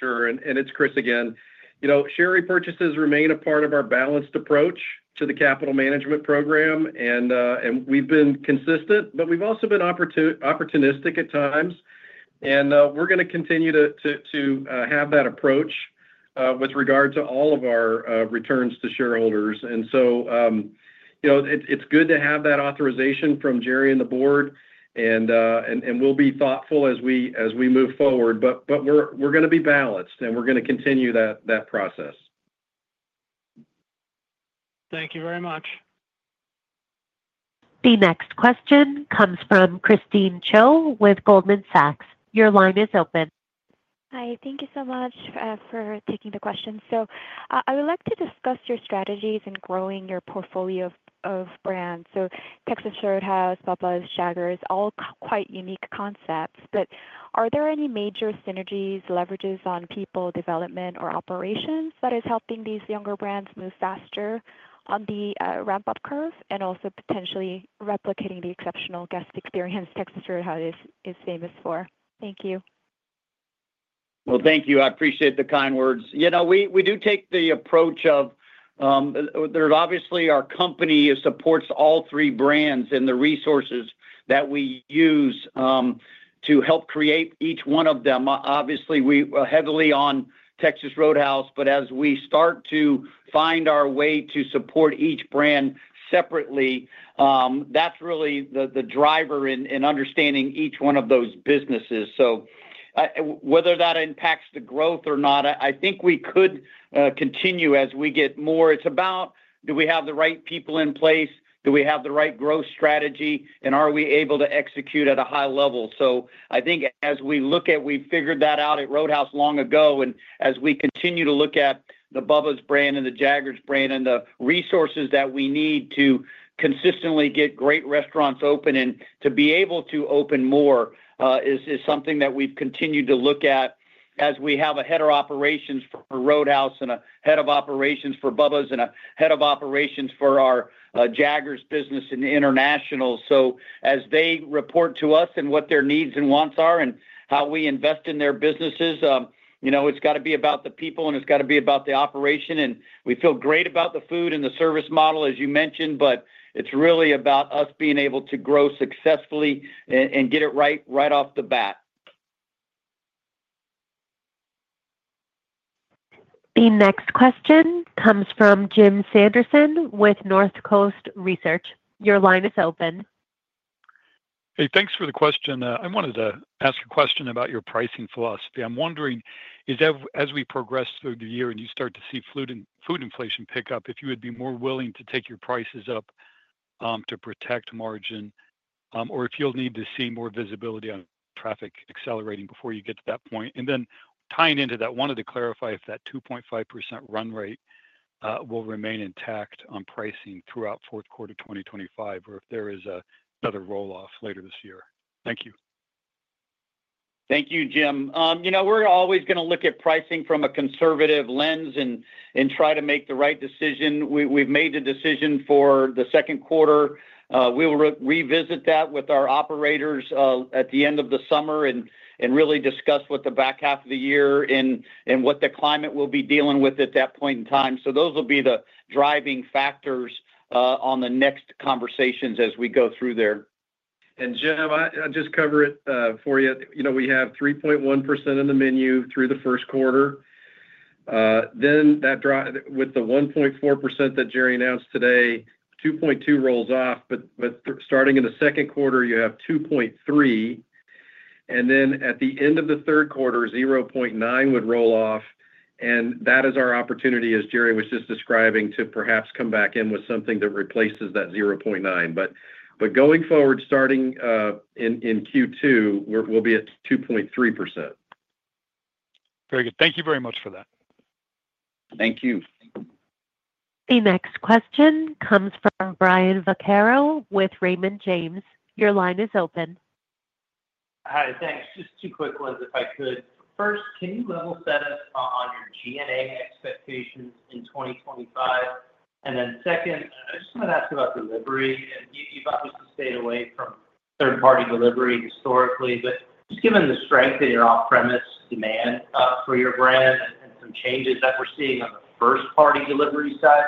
Sure. And it's Chris again. Share repurchases remain a part of our balanced approach to the capital management program. And we've been consistent, but we've also been opportunistic at times. And we're going to continue to have that approach with regard to all of our returns to shareholders. And so it's good to have that authorization from Jerry and the board. And we'll be thoughtful as we move forward. But we're going to be balanced, and we're going to continue that process. Thank you very much. The next question comes from Christine Cho with Goldman Sachs. Your line is open. Hi. Thank you so much for taking the question. So I would like to discuss your strategies in growing your portfolio of brands. So Texas Roadhouse, Bubba's, Jaggers, all quite unique concepts. But are there any major synergies, leverages on people, development, or operations that is helping these younger brands move faster on the ramp-up curve and also potentially replicating the exceptional guest experience Texas Roadhouse is famous for? Thank you. Thank you. I appreciate the kind words. We do take the approach of there's obviously our company supports all three brands and the resources that we use to help create each one of them. Obviously, we are heavily on Texas Roadhouse. But as we start to find our way to support each brand separately, that's really the driver in understanding each one of those businesses. So whether that impacts the growth or not, I think we could continue as we get more. It's about do we have the right people in place? Do we have the right growth strategy? And are we able to execute at a high level? So I think as we look at we figured that out at Roadhouse long ago. And as we continue to look at the Bubba's brand and the Jaggers brand and the resources that we need to consistently get great restaurants open and to be able to open more, it is something that we've continued to look at as we have a head of operations for Roadhouse and a head of operations for Bubba's and a head of operations for our Jaggers business and international. So as they report to us and what their needs and wants are and how we invest in their businesses, it's got to be about the people, and it's got to be about the operation. And we feel great about the food and the service model, as you mentioned, but it's really about us being able to grow successfully and get it right off the bat. The next question comes from Jim Sanderson with Northcoast Research. Your line is open. Hey, thanks for the question. I wanted to ask a question about your pricing philosophy. I'm wondering, as we progress through the year and you start to see food inflation pick up, if you would be more willing to take your prices up to protect margin or if you'll need to see more visibility on traffic accelerating before you get to that point, and then tying into that, wanted to clarify if that 2.5% run rate will remain intact on pricing throughout fourth quarter 2025 or if there is another roll-off later this year. Thank you. Thank you, Jim. We're always going to look at pricing from a conservative lens and try to make the right decision. We've made the decision for the second quarter. We will revisit that with our operators at the end of the summer and really discuss with the back half of the year and what the climate will be dealing with at that point in time. So those will be the driving factors on the next conversations as we go through there. And, Jim, I'll just cover it for you. We have 3.1% in the menu through the first quarter. Then with the 1.4% that Jerry announced today, 2.2% rolls off. But starting in the second quarter, you have 2.3%. And then at the end of the third quarter, 0.9% would roll off. And that is our opportunity, as Jerry was just describing, to perhaps come back in with something that replaces that 0.9%. But going forward, starting in Q2, we'll be at 2.3%. Very good. Thank you very much for that. Thank you. The next question comes from Brian Vaccaro with Raymond James. Your line is open. Hi, thanks. Just two quick ones, if I could. First, can you level set us on your G&A expectations in 2025? And then second, I just wanted to ask about delivery. You've obviously stayed away from third-party delivery historically, but just given the strength of your on-premise demand for your brand and some changes that we're seeing on the first-party delivery side.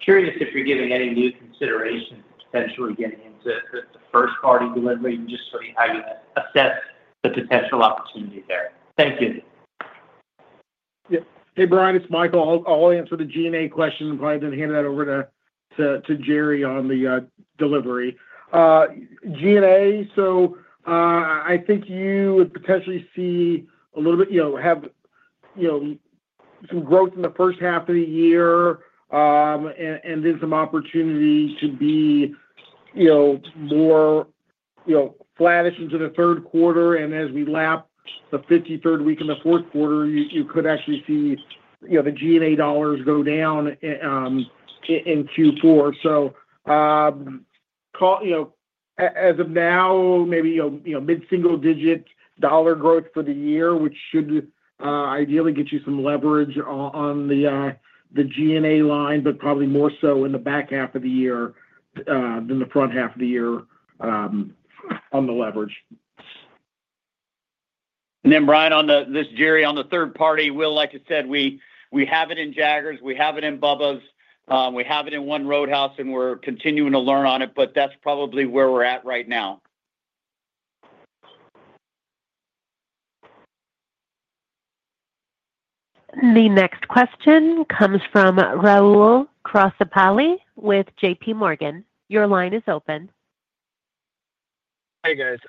Curious if you're giving any new considerations to potentially getting into the first-party delivery and just sort of how you assess the potential opportunity there. Thank you. Hey, Brian, it's Michael. I'll answer the G&A question and probably then hand it over to Jerry on the delivery. G&A, so I think you would potentially see a little bit have some growth in the first half of the year and then some opportunity to be more flattish into the third quarter. And as we lap the 53rd week in the fourth quarter, you could actually see the G&A dollars go down in Q4. So as of now, maybe mid-single-digit dollar growth for the year, which should ideally get you some leverage on the G&A line, but probably more so in the back half of the year than the front half of the year on the leverage. And then, Brian, on this, Jerry, on the third-party, we'll, like I said, we have it in Jaggers. We have it in Bubba's. We have it in one Roadhouse, and we're continuing to learn on it, but that's probably where we're at right now. The next question comes from Rahul Krotthapalli with JPMorgan. Your line is open. Hi guys.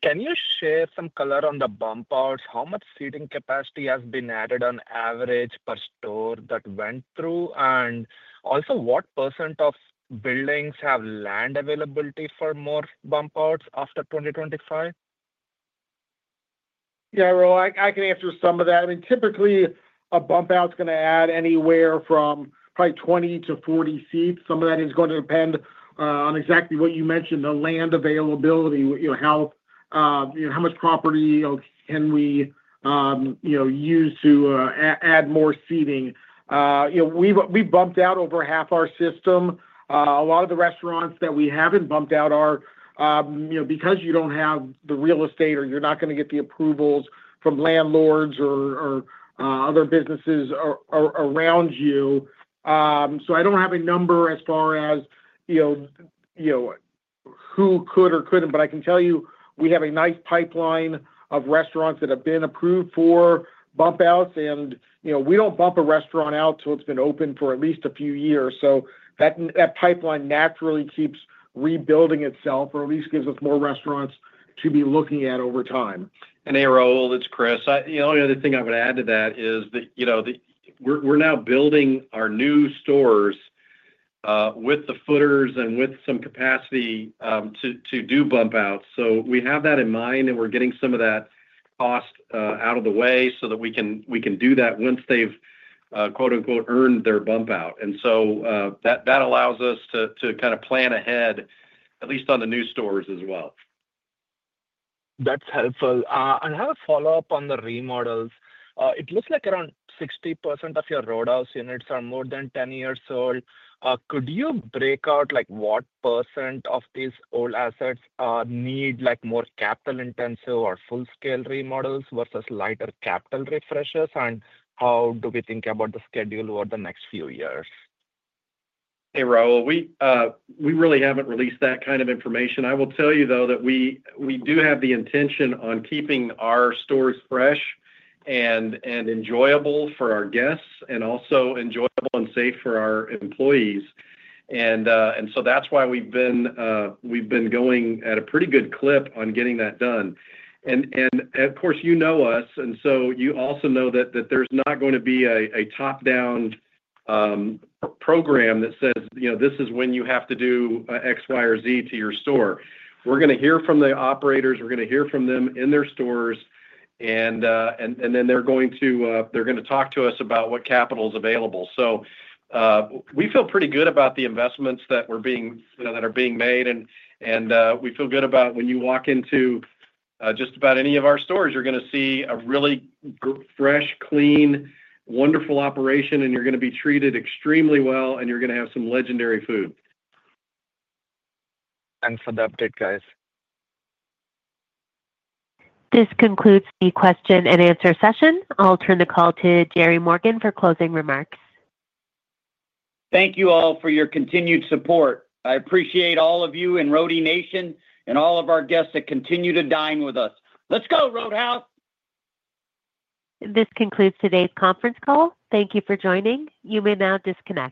Can you share some color on the bump outs? How much seating capacity has been added on average per store that went through? And also, what percent of buildings have land availability for more bump outs after 2025? Yeah, Rahul, I can answer some of that. I mean, typically, a bump out's going to add anywhere from probably 20 to 40 seats. Some of that is going to depend on exactly what you mentioned, the land availability, how much property can we use to add more seating. We've bumped out over half our system. A lot of the restaurants that we haven't bumped out are because you don't have the real estate or you're not going to get the approvals from landlords or other businesses around you. So I don't have a number as far as who could or couldn't, but I can tell you we have a nice pipeline of restaurants that have been approved for bump outs. And we don't bump a restaurant out till it's been open for at least a few years. So that pipeline naturally keeps rebuilding itself or at least gives us more restaurants to be looking at over time. Hey, Rahul, it's Chris. The only other thing I would add to that is that we're now building our new stores with the footers and with some capacity to do bump outs. So we have that in mind, and we're getting some of that cost out of the way so that we can do that once they've "earned" their bump out. And so that allows us to kind of plan ahead, at least on the new stores as well. That's helpful. I have a follow-up on the remodels. It looks like around 60% of your Roadhouse units are more than 10 years old. Could you break out what percent of these old assets need more capital-intensive or full-scale remodels versus lighter capital refreshers? And how do we think about the schedule over the next few years? Hey, Rahul, we really haven't released that kind of information. I will tell you, though, that we do have the intention on keeping our stores fresh and enjoyable for our guests and also enjoyable and safe for our employees. And so that's why we've been going at a pretty good clip on getting that done. And of course, you know us, and so you also know that there's not going to be a top-down program that says, "This is when you have to do X, Y, or Z to your store." We're going to hear from the operators. We're going to hear from them in their stores. And then they're going to talk to us about what capital is available. So we feel pretty good about the investments that are being made. We feel good about when you walk into just about any of our stores, you're going to see a really fresh, clean, wonderful operation, and you're going to be treated extremely well, and you're going to have some legendary food. Thanks for the update, guys. This concludes the question-and-answer session. I'll turn the call to Jerry Morgan for closing remarks. Thank you all for your continued support. I appreciate all of you in Roadie Nation and all of our guests that continue to dine with us. Let's go, Roadhouse. This concludes today's conference call. Thank you for joining. You may now disconnect.